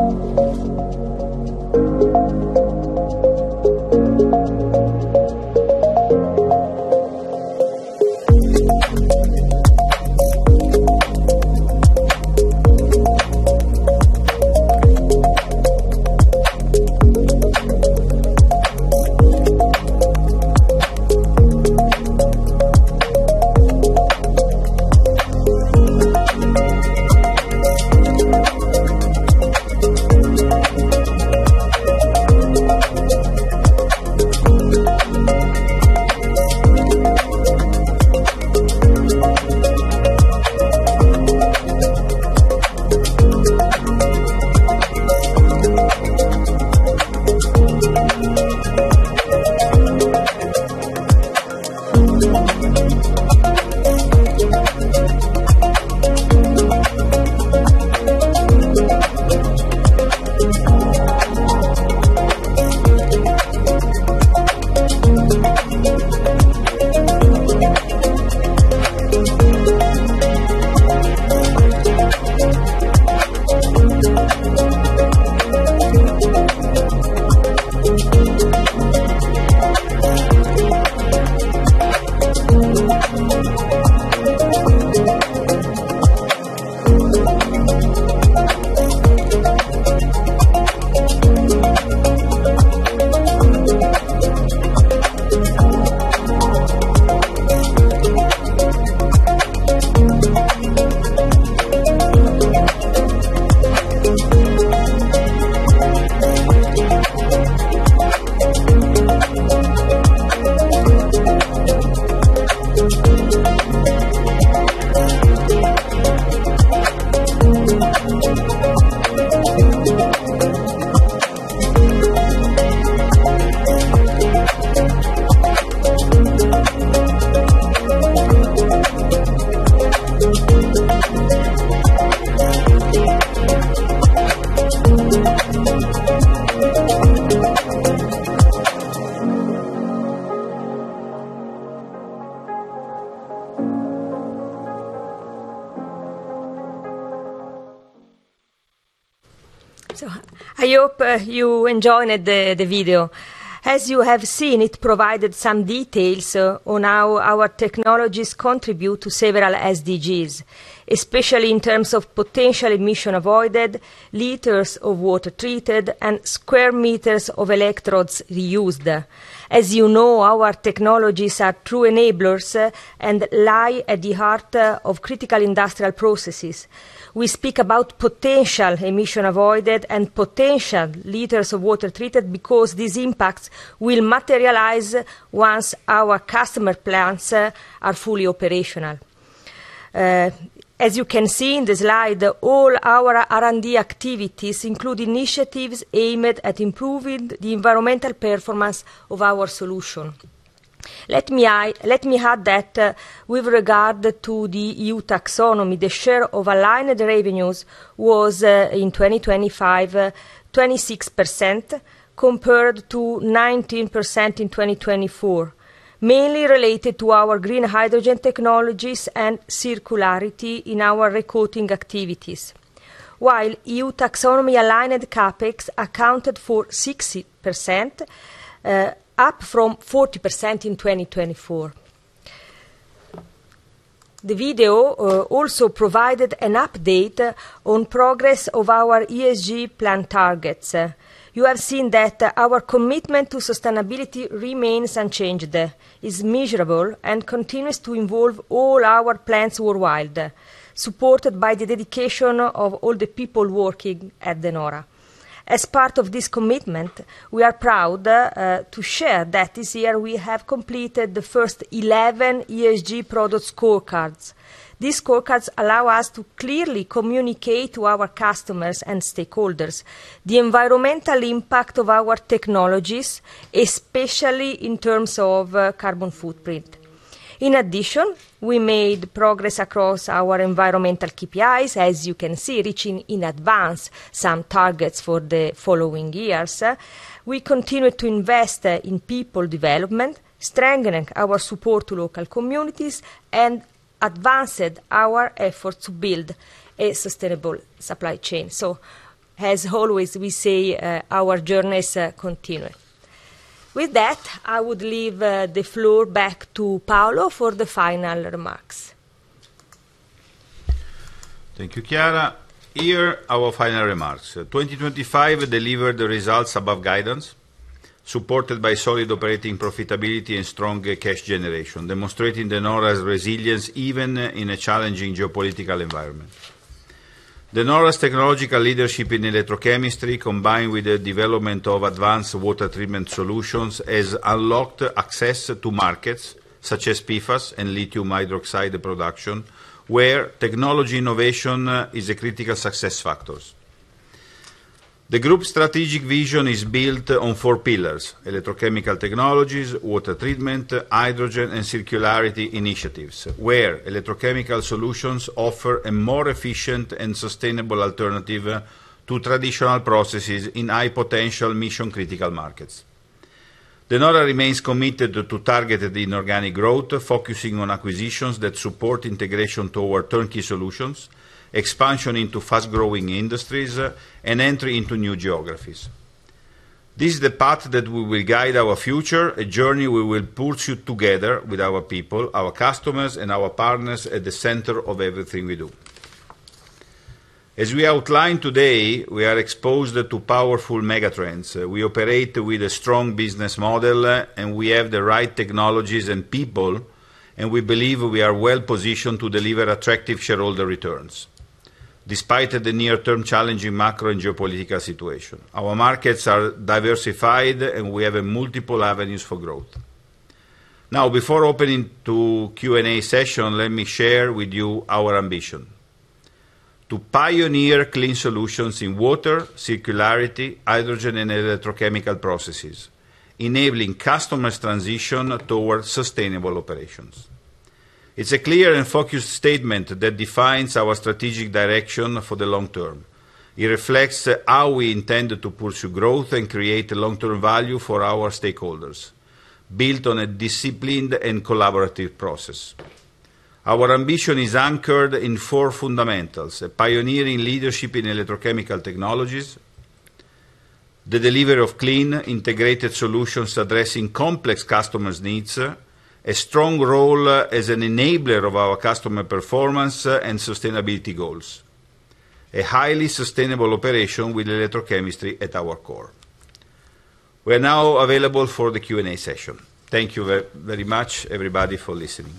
I hope you enjoyed the video. As you have seen, it provided some details on how our technologies contribute to several SDGs, especially in terms of potential emission avoided, liters of water treated, and square meters of electrodes reused. As you know, our technologies are true enablers and lie at the heart of critical industrial processes. We speak about potential emission avoided and potential liters of water treated because these impacts will materialize once our customer plants are fully operational. As you can see in the slide, all our R&D activities include initiatives aimed at improving the environmental performance of our solution. Let me add that, with regard to the EU Taxonomy, the share of aligned revenues was in 2025, 26% compared to 19% in 2024. Mainly related to our green hydrogen technologies and circularity in our recoating activities. While EU Taxonomy aligned CapEx accounted for 60%, up from 40% in 2024. The video also provided an update on progress of our ESG plan targets. You have seen that our commitment to sustainability remains unchanged, is measurable, and continues to involve all our plants worldwide, supported by the dedication of all the people working at De Nora. As part of this commitment, we are proud to share that this year we have completed the first 11 ESG product scorecards. These scorecards allow us to clearly communicate to our customers and stakeholders the environmental impact of our technologies, especially in terms of carbon footprint. In addition, we made progress across our environmental KPIs, as you can see, reaching in advance some targets for the following years. We continue to invest in people development, strengthening our support to local communities, and advanced our effort to build a sustainable supply chain. As always, we say our journey is continuing. With that, I would leave the floor back to Paolo for the final remarks. Thank you, Chiara. Here are our final remarks. 2025 delivered the results above guidance, supported by solid operating profitability and strong cash generation, demonstrating De Nora's resilience even in a challenging geopolitical environment. De Nora's technological leadership in electrochemistry, combined with the development of advanced water treatment solutions, has unlocked access to markets such as PFAS and lithium hydroxide production, where technology innovation is a critical success factors. The group's strategic vision is built on four pillars, electrochemical technologies, water treatment, hydrogen, and circularity initiatives, where electrochemical solutions offer a more efficient and sustainable alternative to traditional processes in high potential mission-critical markets. De Nora remains committed to targeted inorganic growth, focusing on acquisitions that support integration toward turnkey solutions, expansion into fast-growing industries, and entry into new geographies. This is the path that will guide our future, a journey we will pursue together with our people, our customers, and our partners at the center of everything we do. As we outlined today, we are exposed to powerful megatrends. We operate with a strong business model, and we have the right technologies and people, and we believe we are well-positioned to deliver attractive shareholder returns despite the near-term challenging macro and geopolitical situation. Our markets are diversified, and we have multiple avenues for growth. Now, before opening to Q&A session, let me share with you our ambition to pioneer clean solutions in water, circularity, hydrogen, and electrochemical processes, enabling customers transition towards sustainable operations. It's a clear and focused statement that defines our strategic direction for the long term. It reflects how we intend to pursue growth and create long-term value for our stakeholders, built on a disciplined and collaborative process. Our ambition is anchored in four fundamentals, a pioneering leadership in electrochemical technologies, the delivery of clean, integrated solutions addressing complex customers' needs, a strong role as an enabler of our customer performance and sustainability goals, a highly sustainable operation with electrochemistry at our core. We're now available for the Q&A session. Thank you very much, everybody, for listening.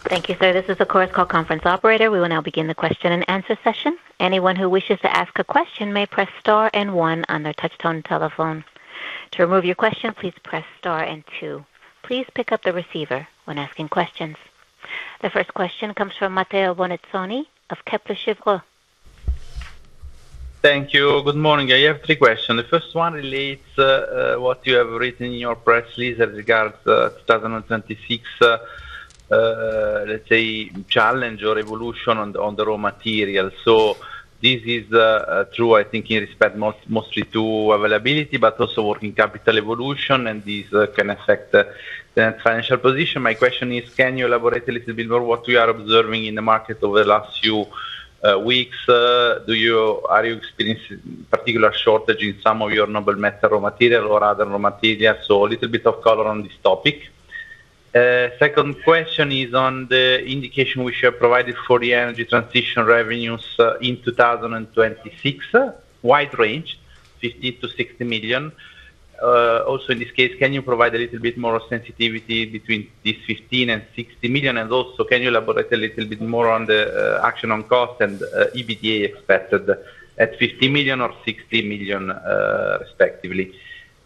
Thank you, sir. This is the Chorus Call conference operator. We will now begin the question-and-answer session. Anyone who wishes to ask a question may press star and one on their touchtone telephone. To remove your question, please press star and two. Please pick up the receiver when asking questions. The first question comes from Matteo Bonizzoni of Kepler Cheuvreux. Thank you. Good morning. I have three questions. The first one relates to what you have written in your press release regarding 2026, let's say, challenge or evolution on the raw material. This is true, I think, in respect mostly to availability, but also working capital evolution, and this can affect the net financial position. My question is, can you elaborate a little bit more on what you are observing in the market over the last few weeks? Are you experiencing particular shortage in some of your noble metal raw material or other raw materials? A little bit of color on this topic. Second question is on the indication we should provide for the energy transition revenues in 2026. Wide range, 50 million-60 million. Also in this case, can you provide a little bit more sensitivity between 15 million and 60 million? Also, can you elaborate a little bit more on the action on cost and EBITDA expected at 50 million or 60 million, respectively.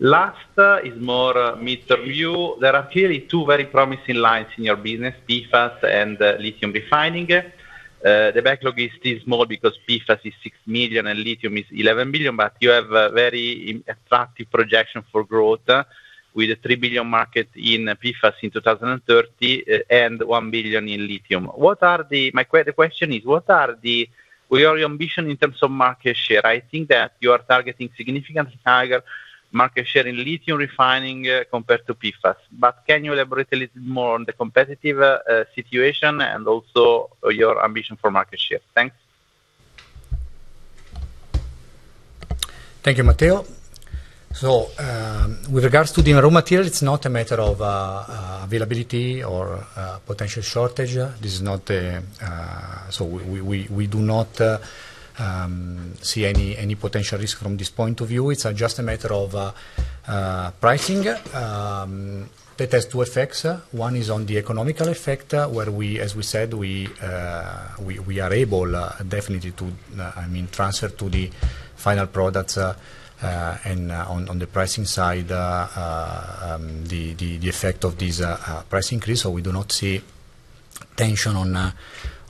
Lastly is more mid-term view. There are clearly two very promising lines in your business, PFAS and lithium refining. The backlog is still small because PFAS is 6 million and lithium is 11 million, but you have a very attractive projection for growth with a 3 billion market in PFAS in 2030 and 1 billion in lithium. The question is, where are your ambition in terms of market share? I think that you are targeting significantly higher market share in lithium refining compared to PFAS. Can you elaborate a little bit more on the competitive situation and also your ambition for market share? Thanks. Thank you, Matteo. With regards to the raw material, it's not a matter of availability or potential shortage. We do not see any potential risk from this point of view. It's just a matter of pricing. That has two effects. One is on the economic effect, where, as we said, we are able definitely to, I mean, transfer to the final products and on the pricing side, the effect of this price increase. We do not see tension on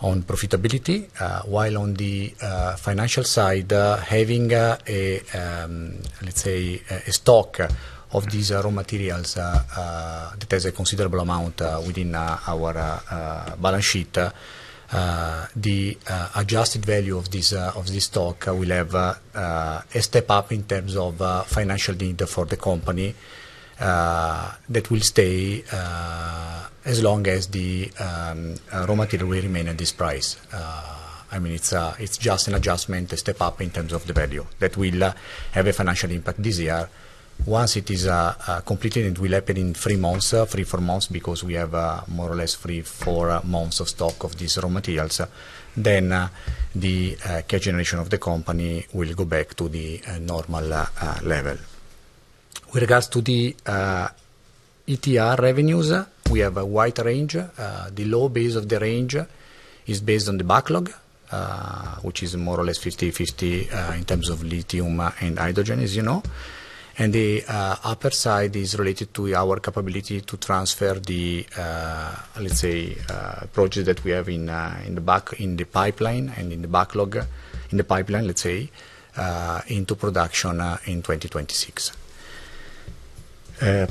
profitability. While on the financial side, having a, let's say, a stock of these raw materials that has a considerable amount within our balance sheet. The adjusted value of this stock will have a step up in terms of financial need for the company that will stay as long as the raw material will remain at this price. I mean, it's just an adjustment to step up in terms of the value that will have a financial impact this year. Once it is completed, it will happen in three months, three, four months, because we have more or less three, four months of stock of these raw materials, then the cash generation of the company will go back to the normal level. With regards to the ETR revenues, we have a wide range. The low base of the range is based on the backlog, which is more or less 50/50 in terms of lithium and hydrogen, as you know. The upper side is related to our capability to transfer the, let's say, projects that we have in the back. In the pipeline and in the backlog, let's say, into production, in 2026.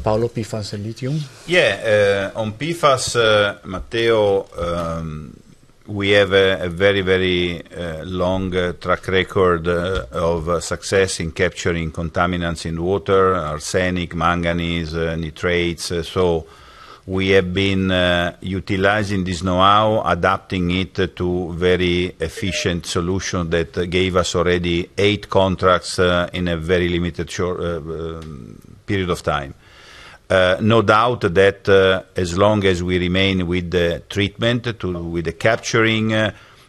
Paolo, PFAS and lithium. Yeah. On PFAS, Matteo, we have a very long track record of success in capturing contaminants in water: arsenic, manganese, nitrates. We have been utilizing this know-how, adapting it to very efficient solution that gave us already eight contracts in a very limited short period of time. No doubt that as long as we remain with the treatment with the capturing,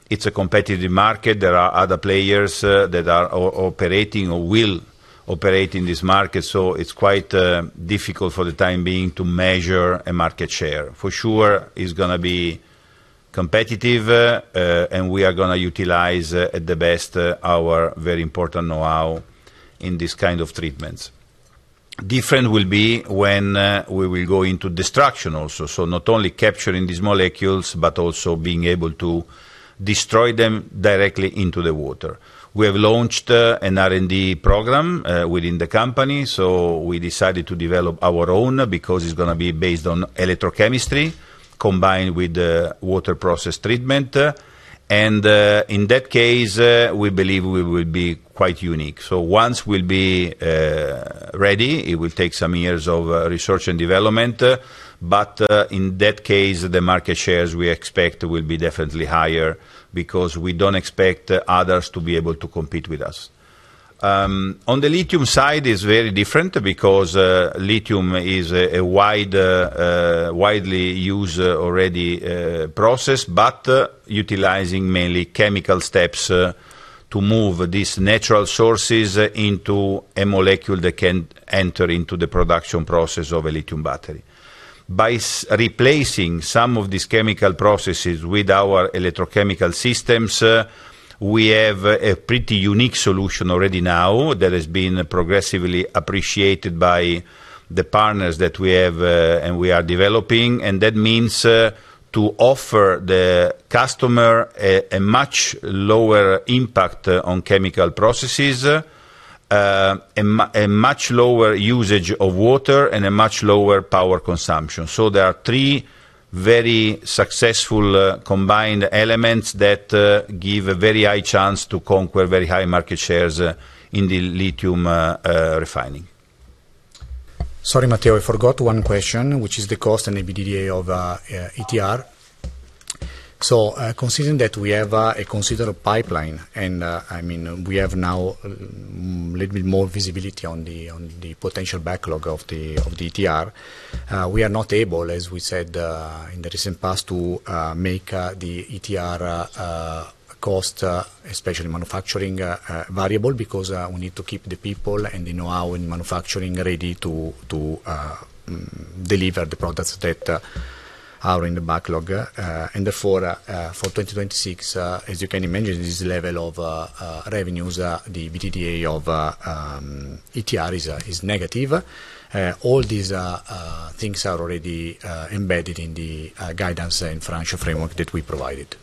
it's a competitive market. There are other players that are operating or will operate in this market, so it's quite difficult for the time being to measure a market share. For sure it's gonna be competitive, and we are gonna utilize the best our very important know-how in this kind of treatments. Different will be when we will go into destruction also. Not only capturing these molecules, but also being able to destroy them directly into the water. We have launched an R&D program within the company, so we decided to develop our own because it's gonna be based on electrochemistry combined with the water treatment process. In that case, we believe we will be quite unique. Once we'll be ready, it will take some years of research and development, but in that case, the market shares we expect will be definitely higher because we don't expect others to be able to compete with us. On the lithium side is very different because lithium is a widely used already process, but utilizing mainly chemical steps to move these natural sources into a molecule that can enter into the production process of a lithium battery. By replacing some of these chemical processes with our electrochemical systems, we have a pretty unique solution already now that has been progressively appreciated by the partners that we have, and we are developing. That means to offer the customer a much lower impact on chemical processes, a much lower usage of water and a much lower power consumption. There are three very successful combined elements that give a very high chance to conquer very high market shares in the lithium refining. Sorry, Matteo, I forgot one question, which is the cost and EBITDA of ETR. Considering that we have a considerable pipeline and I mean, we have now little bit more visibility on the potential backlog of the ETR, we are not able, as we said in the recent past, to make the ETR cost, especially manufacturing, variable, because we need to keep the people and the know-how in manufacturing ready to deliver the products that are in the backlog. Therefore, for 2026, as you can imagine, this level of revenues, the EBITDA of ETR is negative. All these things are already embedded in the guidance and financial framework that we provided.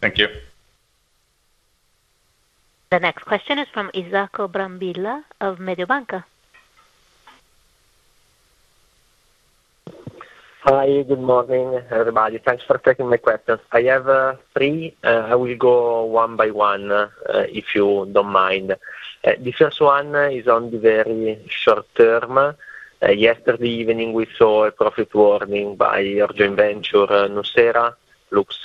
Thank you. The next question is from Isacco Brambilla of Mediobanca. Hi, good morning, everybody. Thanks for taking my questions. I have three. I will go one by one, if you don't mind. The first one is on the very short term. Yesterday evening, we saw a profit warning by your joint venture, thyssenkrupp nucera. Looks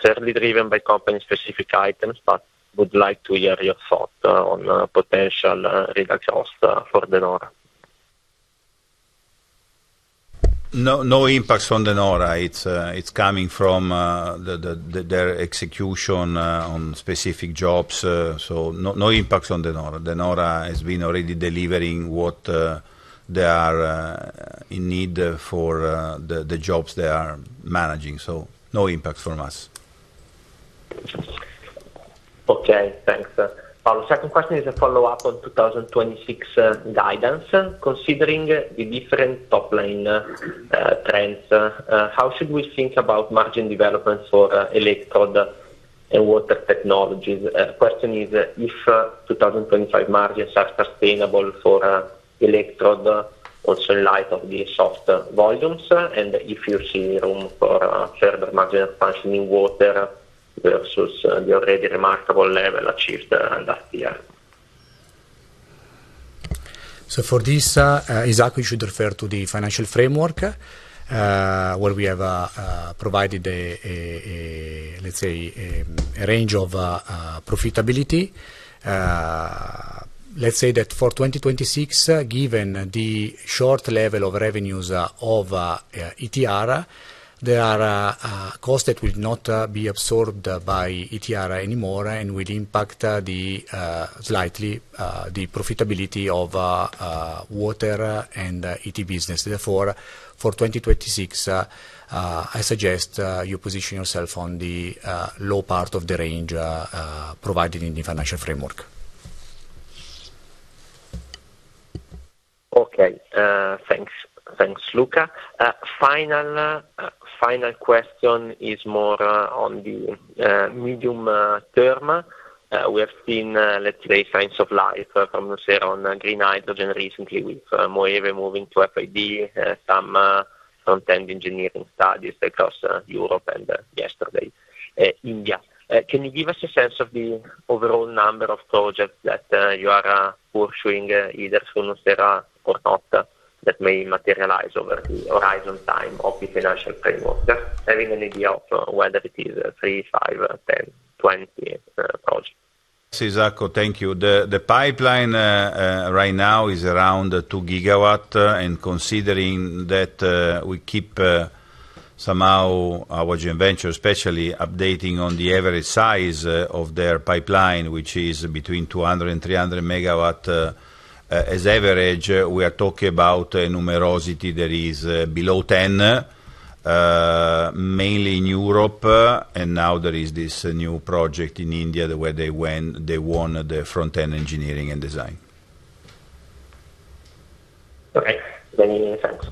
certainly driven by company specific items, but would like to hear your thought on potential. No impacts on De Nora. It's coming from their execution on specific jobs. No impacts on De Nora. De Nora has been already delivering what they are in need for the jobs they are managing. No impact from us. Okay, thanks, Paolo. Second question is a follow-up on 2026 guidance. Considering the different top-line trends, how should we think about margin development for electrode and water technologies? Question is if 2025 margins are sustainable for electrode also in light of the soft volumes, and if you see room for further margin expansion in water versus the already remarkable level achieved last year? For this exactly you should refer to the financial framework, where we have provided a, let's say, a range of profitability. Let's say that for 2026, given the short level of revenues of ETR, there are costs that will not be absorbed by ETR anymore and will impact slightly the profitability of water and ET business. Therefore, for 2026, I suggest you position yourself on the low part of the range provided in the financial framework. Okay. Thanks, Luca. Final question is more on the medium term. We have seen, let's say, signs of life from the sales on green hydrogen recently with Moeve moving to FID, some engineering studies across Europe and yesterday, India. Can you give us a sense of the overall number of projects that you are pursuing, either through thyssenkrupp nucera or not, that may materialize over the horizon time of the financial framework? Just having an idea of whether it is three, five, 10, 20 projects. Isacco, thank you. The pipeline right now is around 2 GW, and considering that we keep somehow our JV venture, especially updating on the average size of their pipeline, which is between 200 MW and 300 MW as average, we are talking about a numerosity that is below 10, mainly in Europe, and now there is this new project in India where they won the front-end engineering and design. Okay. Thanks.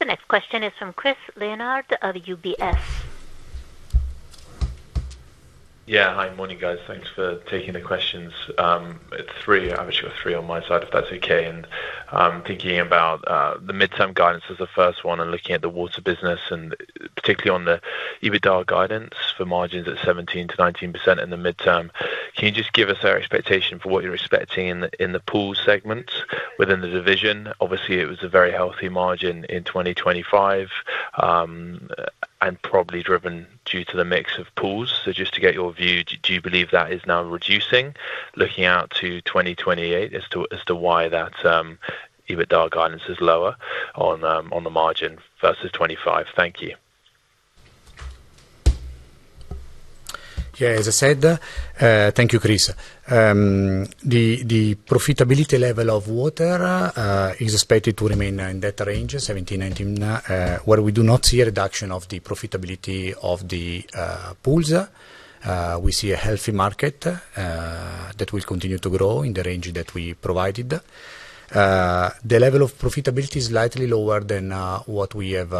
The next question is from Chris Leonard of UBS. Yeah. Hi. Morning, guys. Thanks for taking the questions. It's three. I wish it was three on my side, if that's okay. I'm thinking about the midterm guidance as the first one and looking at the water business and particularly on the EBITDA guidance for margins at 17%-19% in the midterm. Can you just give us our expectation for what you're expecting in the pool segment within the division? Obviously, it was a very healthy margin in 2025, and probably driven due to the mix of pools. Just to get your view, do you believe that is now reducing, looking out to 2028 as to why that EBITDA guidance is lower on the margin versus 2025? Thank you. Yeah. As I said, thank you, Chris. The profitability level of water is expected to remain in that range, 17%-19%, where we do not see a reduction of the profitability of the pools. We see a healthy market that will continue to grow in the range that we provided. The level of profitability is slightly lower than what we have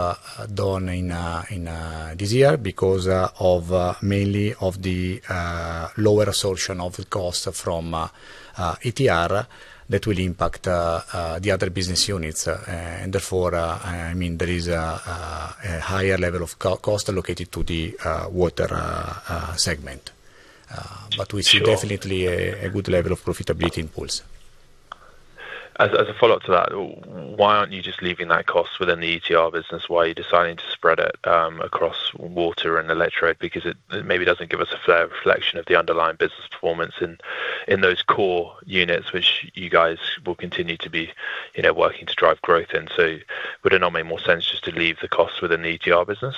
done in this year because mainly of the lower absorption of the cost from ETR that will impact the other business units. Therefore, I mean, there is a higher level of cost allocated to the water segment. We see definitely a good level of profitability in pools. As a follow-up to that, why aren't you just leaving that cost within the ETR business? Why are you deciding to spread it across water and electrode? Because it maybe doesn't give us a fair reflection of the underlying business performance in those core units, which you guys will continue to be, you know, working to drive growth. Would it not make more sense just to leave the costs within the ETR business?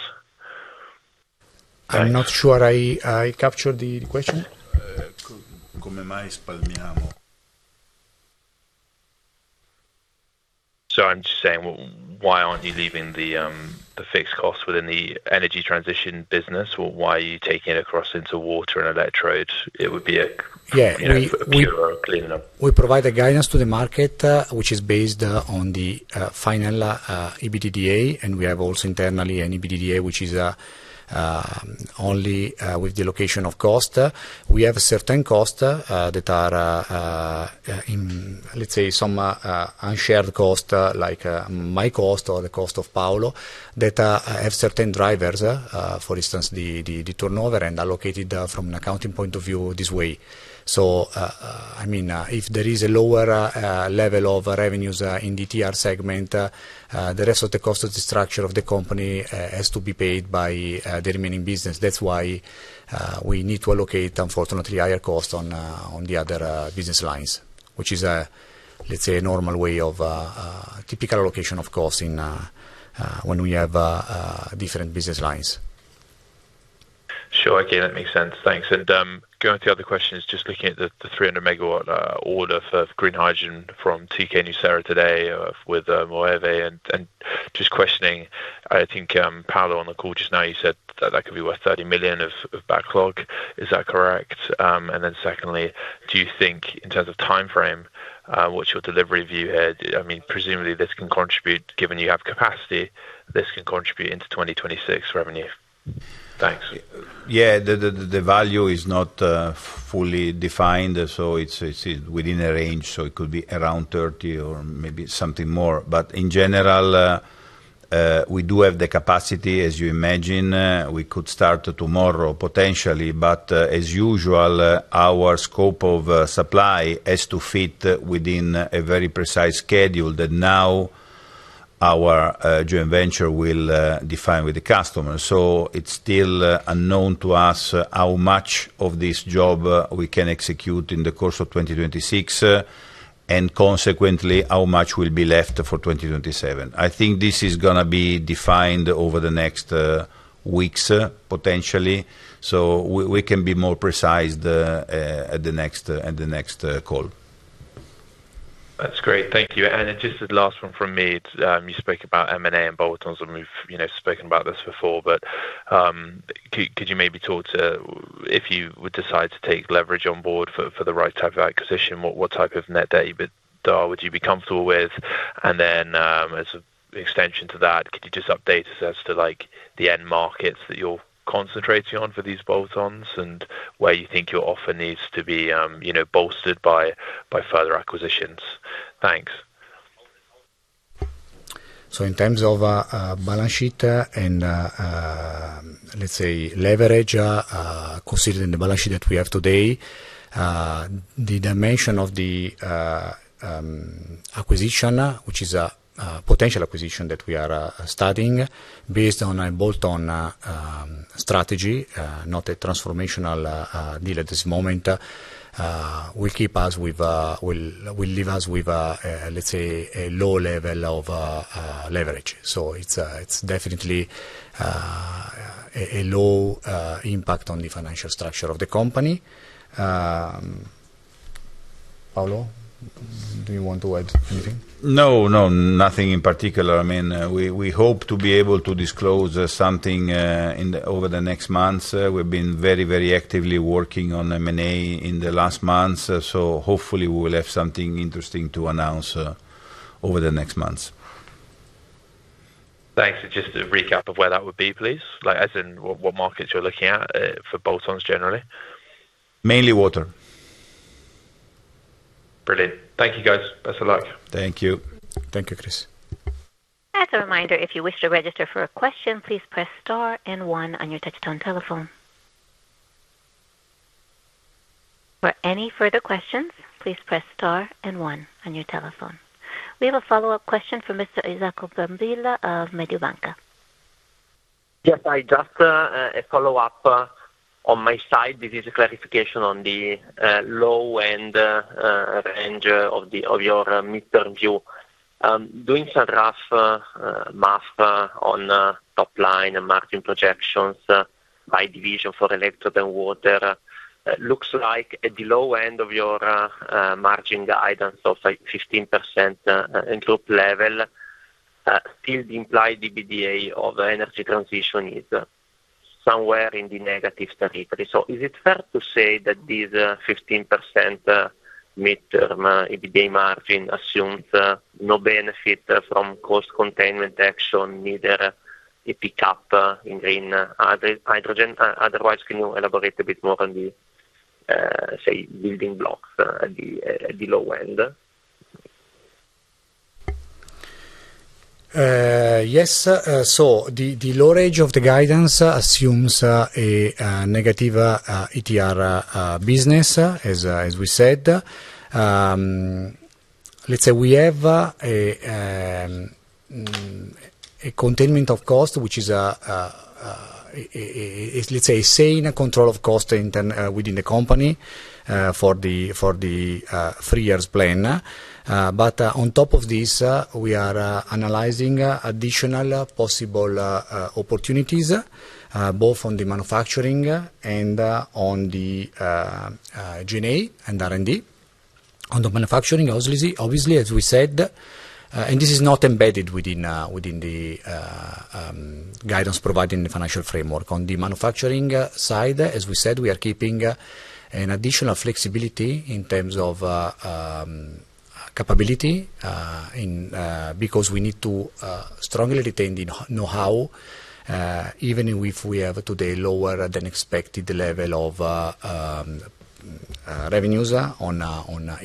I'm not sure I captured the question. I'm just saying, why aren't you leaving the fixed costs within the energy transition business? Why are you taking it across into water and electrodes? Yeah. You know, clearer. We provide a guidance to the market, which is based on the final EBITDA, and we have also internally an EBITDA, which is only with the allocation of costs. We have certain costs that are in, let's say, some unshared costs, like my cost or the cost of Paolo, that have certain drivers, for instance, the turnover and allocated from an accounting point of view this way. I mean, if there is a lower level of revenues in the TR segment, the rest of the cost of the structure of the company has to be paid by the remaining business. That's why we need to allocate, unfortunately, higher cost on the other business lines, which is a, let's say, a normal way of typical allocation of costs in, when we have different business lines. Sure. Okay, that makes sense. Thanks. Going to the other question is just looking at the 300 MW order for green hydrogen from thyssenkrupp nucera today with Moeve and just questioning, I think, Paolo on the call just now, you said that that could be worth 30 million of backlog. Is that correct? Then secondly, do you think in terms of timeframe, what is your delivery view here? I mean, presumably this can contribute, given you have capacity, this can contribute into 2026 revenue. Thanks. Yeah. The value is not fully defined, so it's within a range, so it could be around 30 million or maybe something more. In general, we do have the capacity, as you imagine. We could start tomorrow, potentially. As usual, our scope of supply has to fit within a very precise schedule that now our joint venture will define with the customer. It's still unknown to us how much of this job we can execute in the course of 2026, and consequently, how much will be left for 2027. I think this is gonna be defined over the next weeks, potentially. We can be more precise at the next call. That's great. Thank you. Just the last one from me. You spoke about M&A and bolt-ons, and we've, you know, spoken about this before, but could you maybe talk to if you would decide to take leverage on board for the right type of acquisition, what type of net debt would you be comfortable with? Then, as an extension to that, could you just update us as to like the end markets that you're concentrating on for these bolt-ons and where you think your offer needs to be, you know, bolstered by further acquisitions? Thanks. In terms of balance sheet and let's say leverage, considering the balance sheet that we have today, the dimension of the acquisition, which is a potential acquisition that we are studying based on a bolt-on strategy, not a transformational deal at this moment, will leave us with let's say a low level of leverage. It's definitely a low impact on the financial structure of the company. Paolo, do you want to add anything? No, nothing in particular. I mean, we hope to be able to disclose something over the next months. We've been very actively working on M&A in the last months, so hopefully we will have something interesting to announce over the next months. Thanks. Just a recap of where that would be, please. Like, as in what markets you're looking at for bolt-ons generally. Mainly water. Brilliant. Thank you, guys. Best of luck. Thank you. Thank you, Chris. As a reminder, if you wish to register for a question, please press star and one on your touch-tone telephone. For any further questions, please press star and one on your telephone. We have a follow-up question from Mr. Isacco Brambilla of Mediobanca. Yes. I just a follow-up on my side. This is a clarification on the low-end range of your midterm view. Doing some rough math on top line and margin projections by division for electrode and water looks like at the low end of your margin guidance of like 15% in group level still the implied EBITDA of energy transition is somewhere in the negative territory. Is it fair to say that this 15% midterm EBITDA margin assumes no benefit from cost containment action, neither a pickup in green hydrogen? Otherwise, can you elaborate a bit more on the say building blocks at the low end? Yes. The low range of the guidance assumes a negative ETR business, as we said. Let's say we have a containment of cost, which is sound control of costs internally within the company, for the three-year plan. On top of this, we are analyzing additional possible opportunities both on the manufacturing and on the G&A and R&D. On the manufacturing, obviously, as we said, and this is not embedded within the guidance provided in the financial framework. On the manufacturing side, as we said, we are keeping an additional flexibility in terms of capability and because we need to strongly retain the know-how even if we have today lower than expected level of revenues on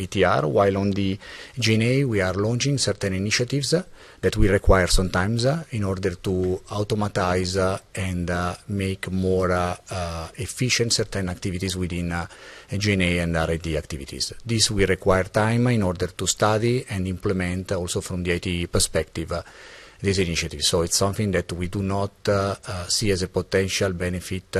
ETR. While on the G&A, we are launching certain initiatives that will require some time in order to automate and make more efficient certain activities within G&A and R&D activities. This will require time in order to study and implement also from the IT perspective, this initiative. It's something that we do not see as a potential benefit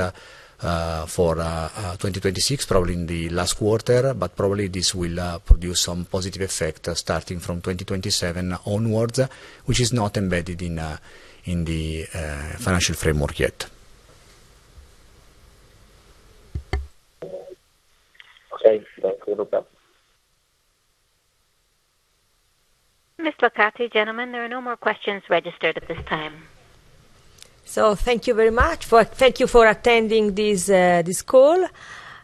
for 2026, probably in the last quarter, but probably this will produce some positive effect starting from 2027 onwards, which is not embedded in the financial framework yet. Okay. Thank you. Ms. Locati, gentlemen, there are no more questions registered at this time. Thank you very much. Thank you for attending this call.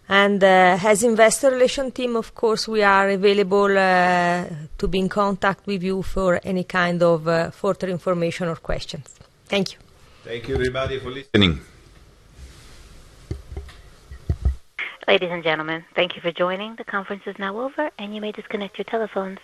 As Investor Relations team, of course, we are available to be in contact with you for any kind of further information or questions. Thank you. Thank you, everybody, for listening. Ladies, and gentlemen, thank you for joining. The conference is now over, and you may disconnect your telephones.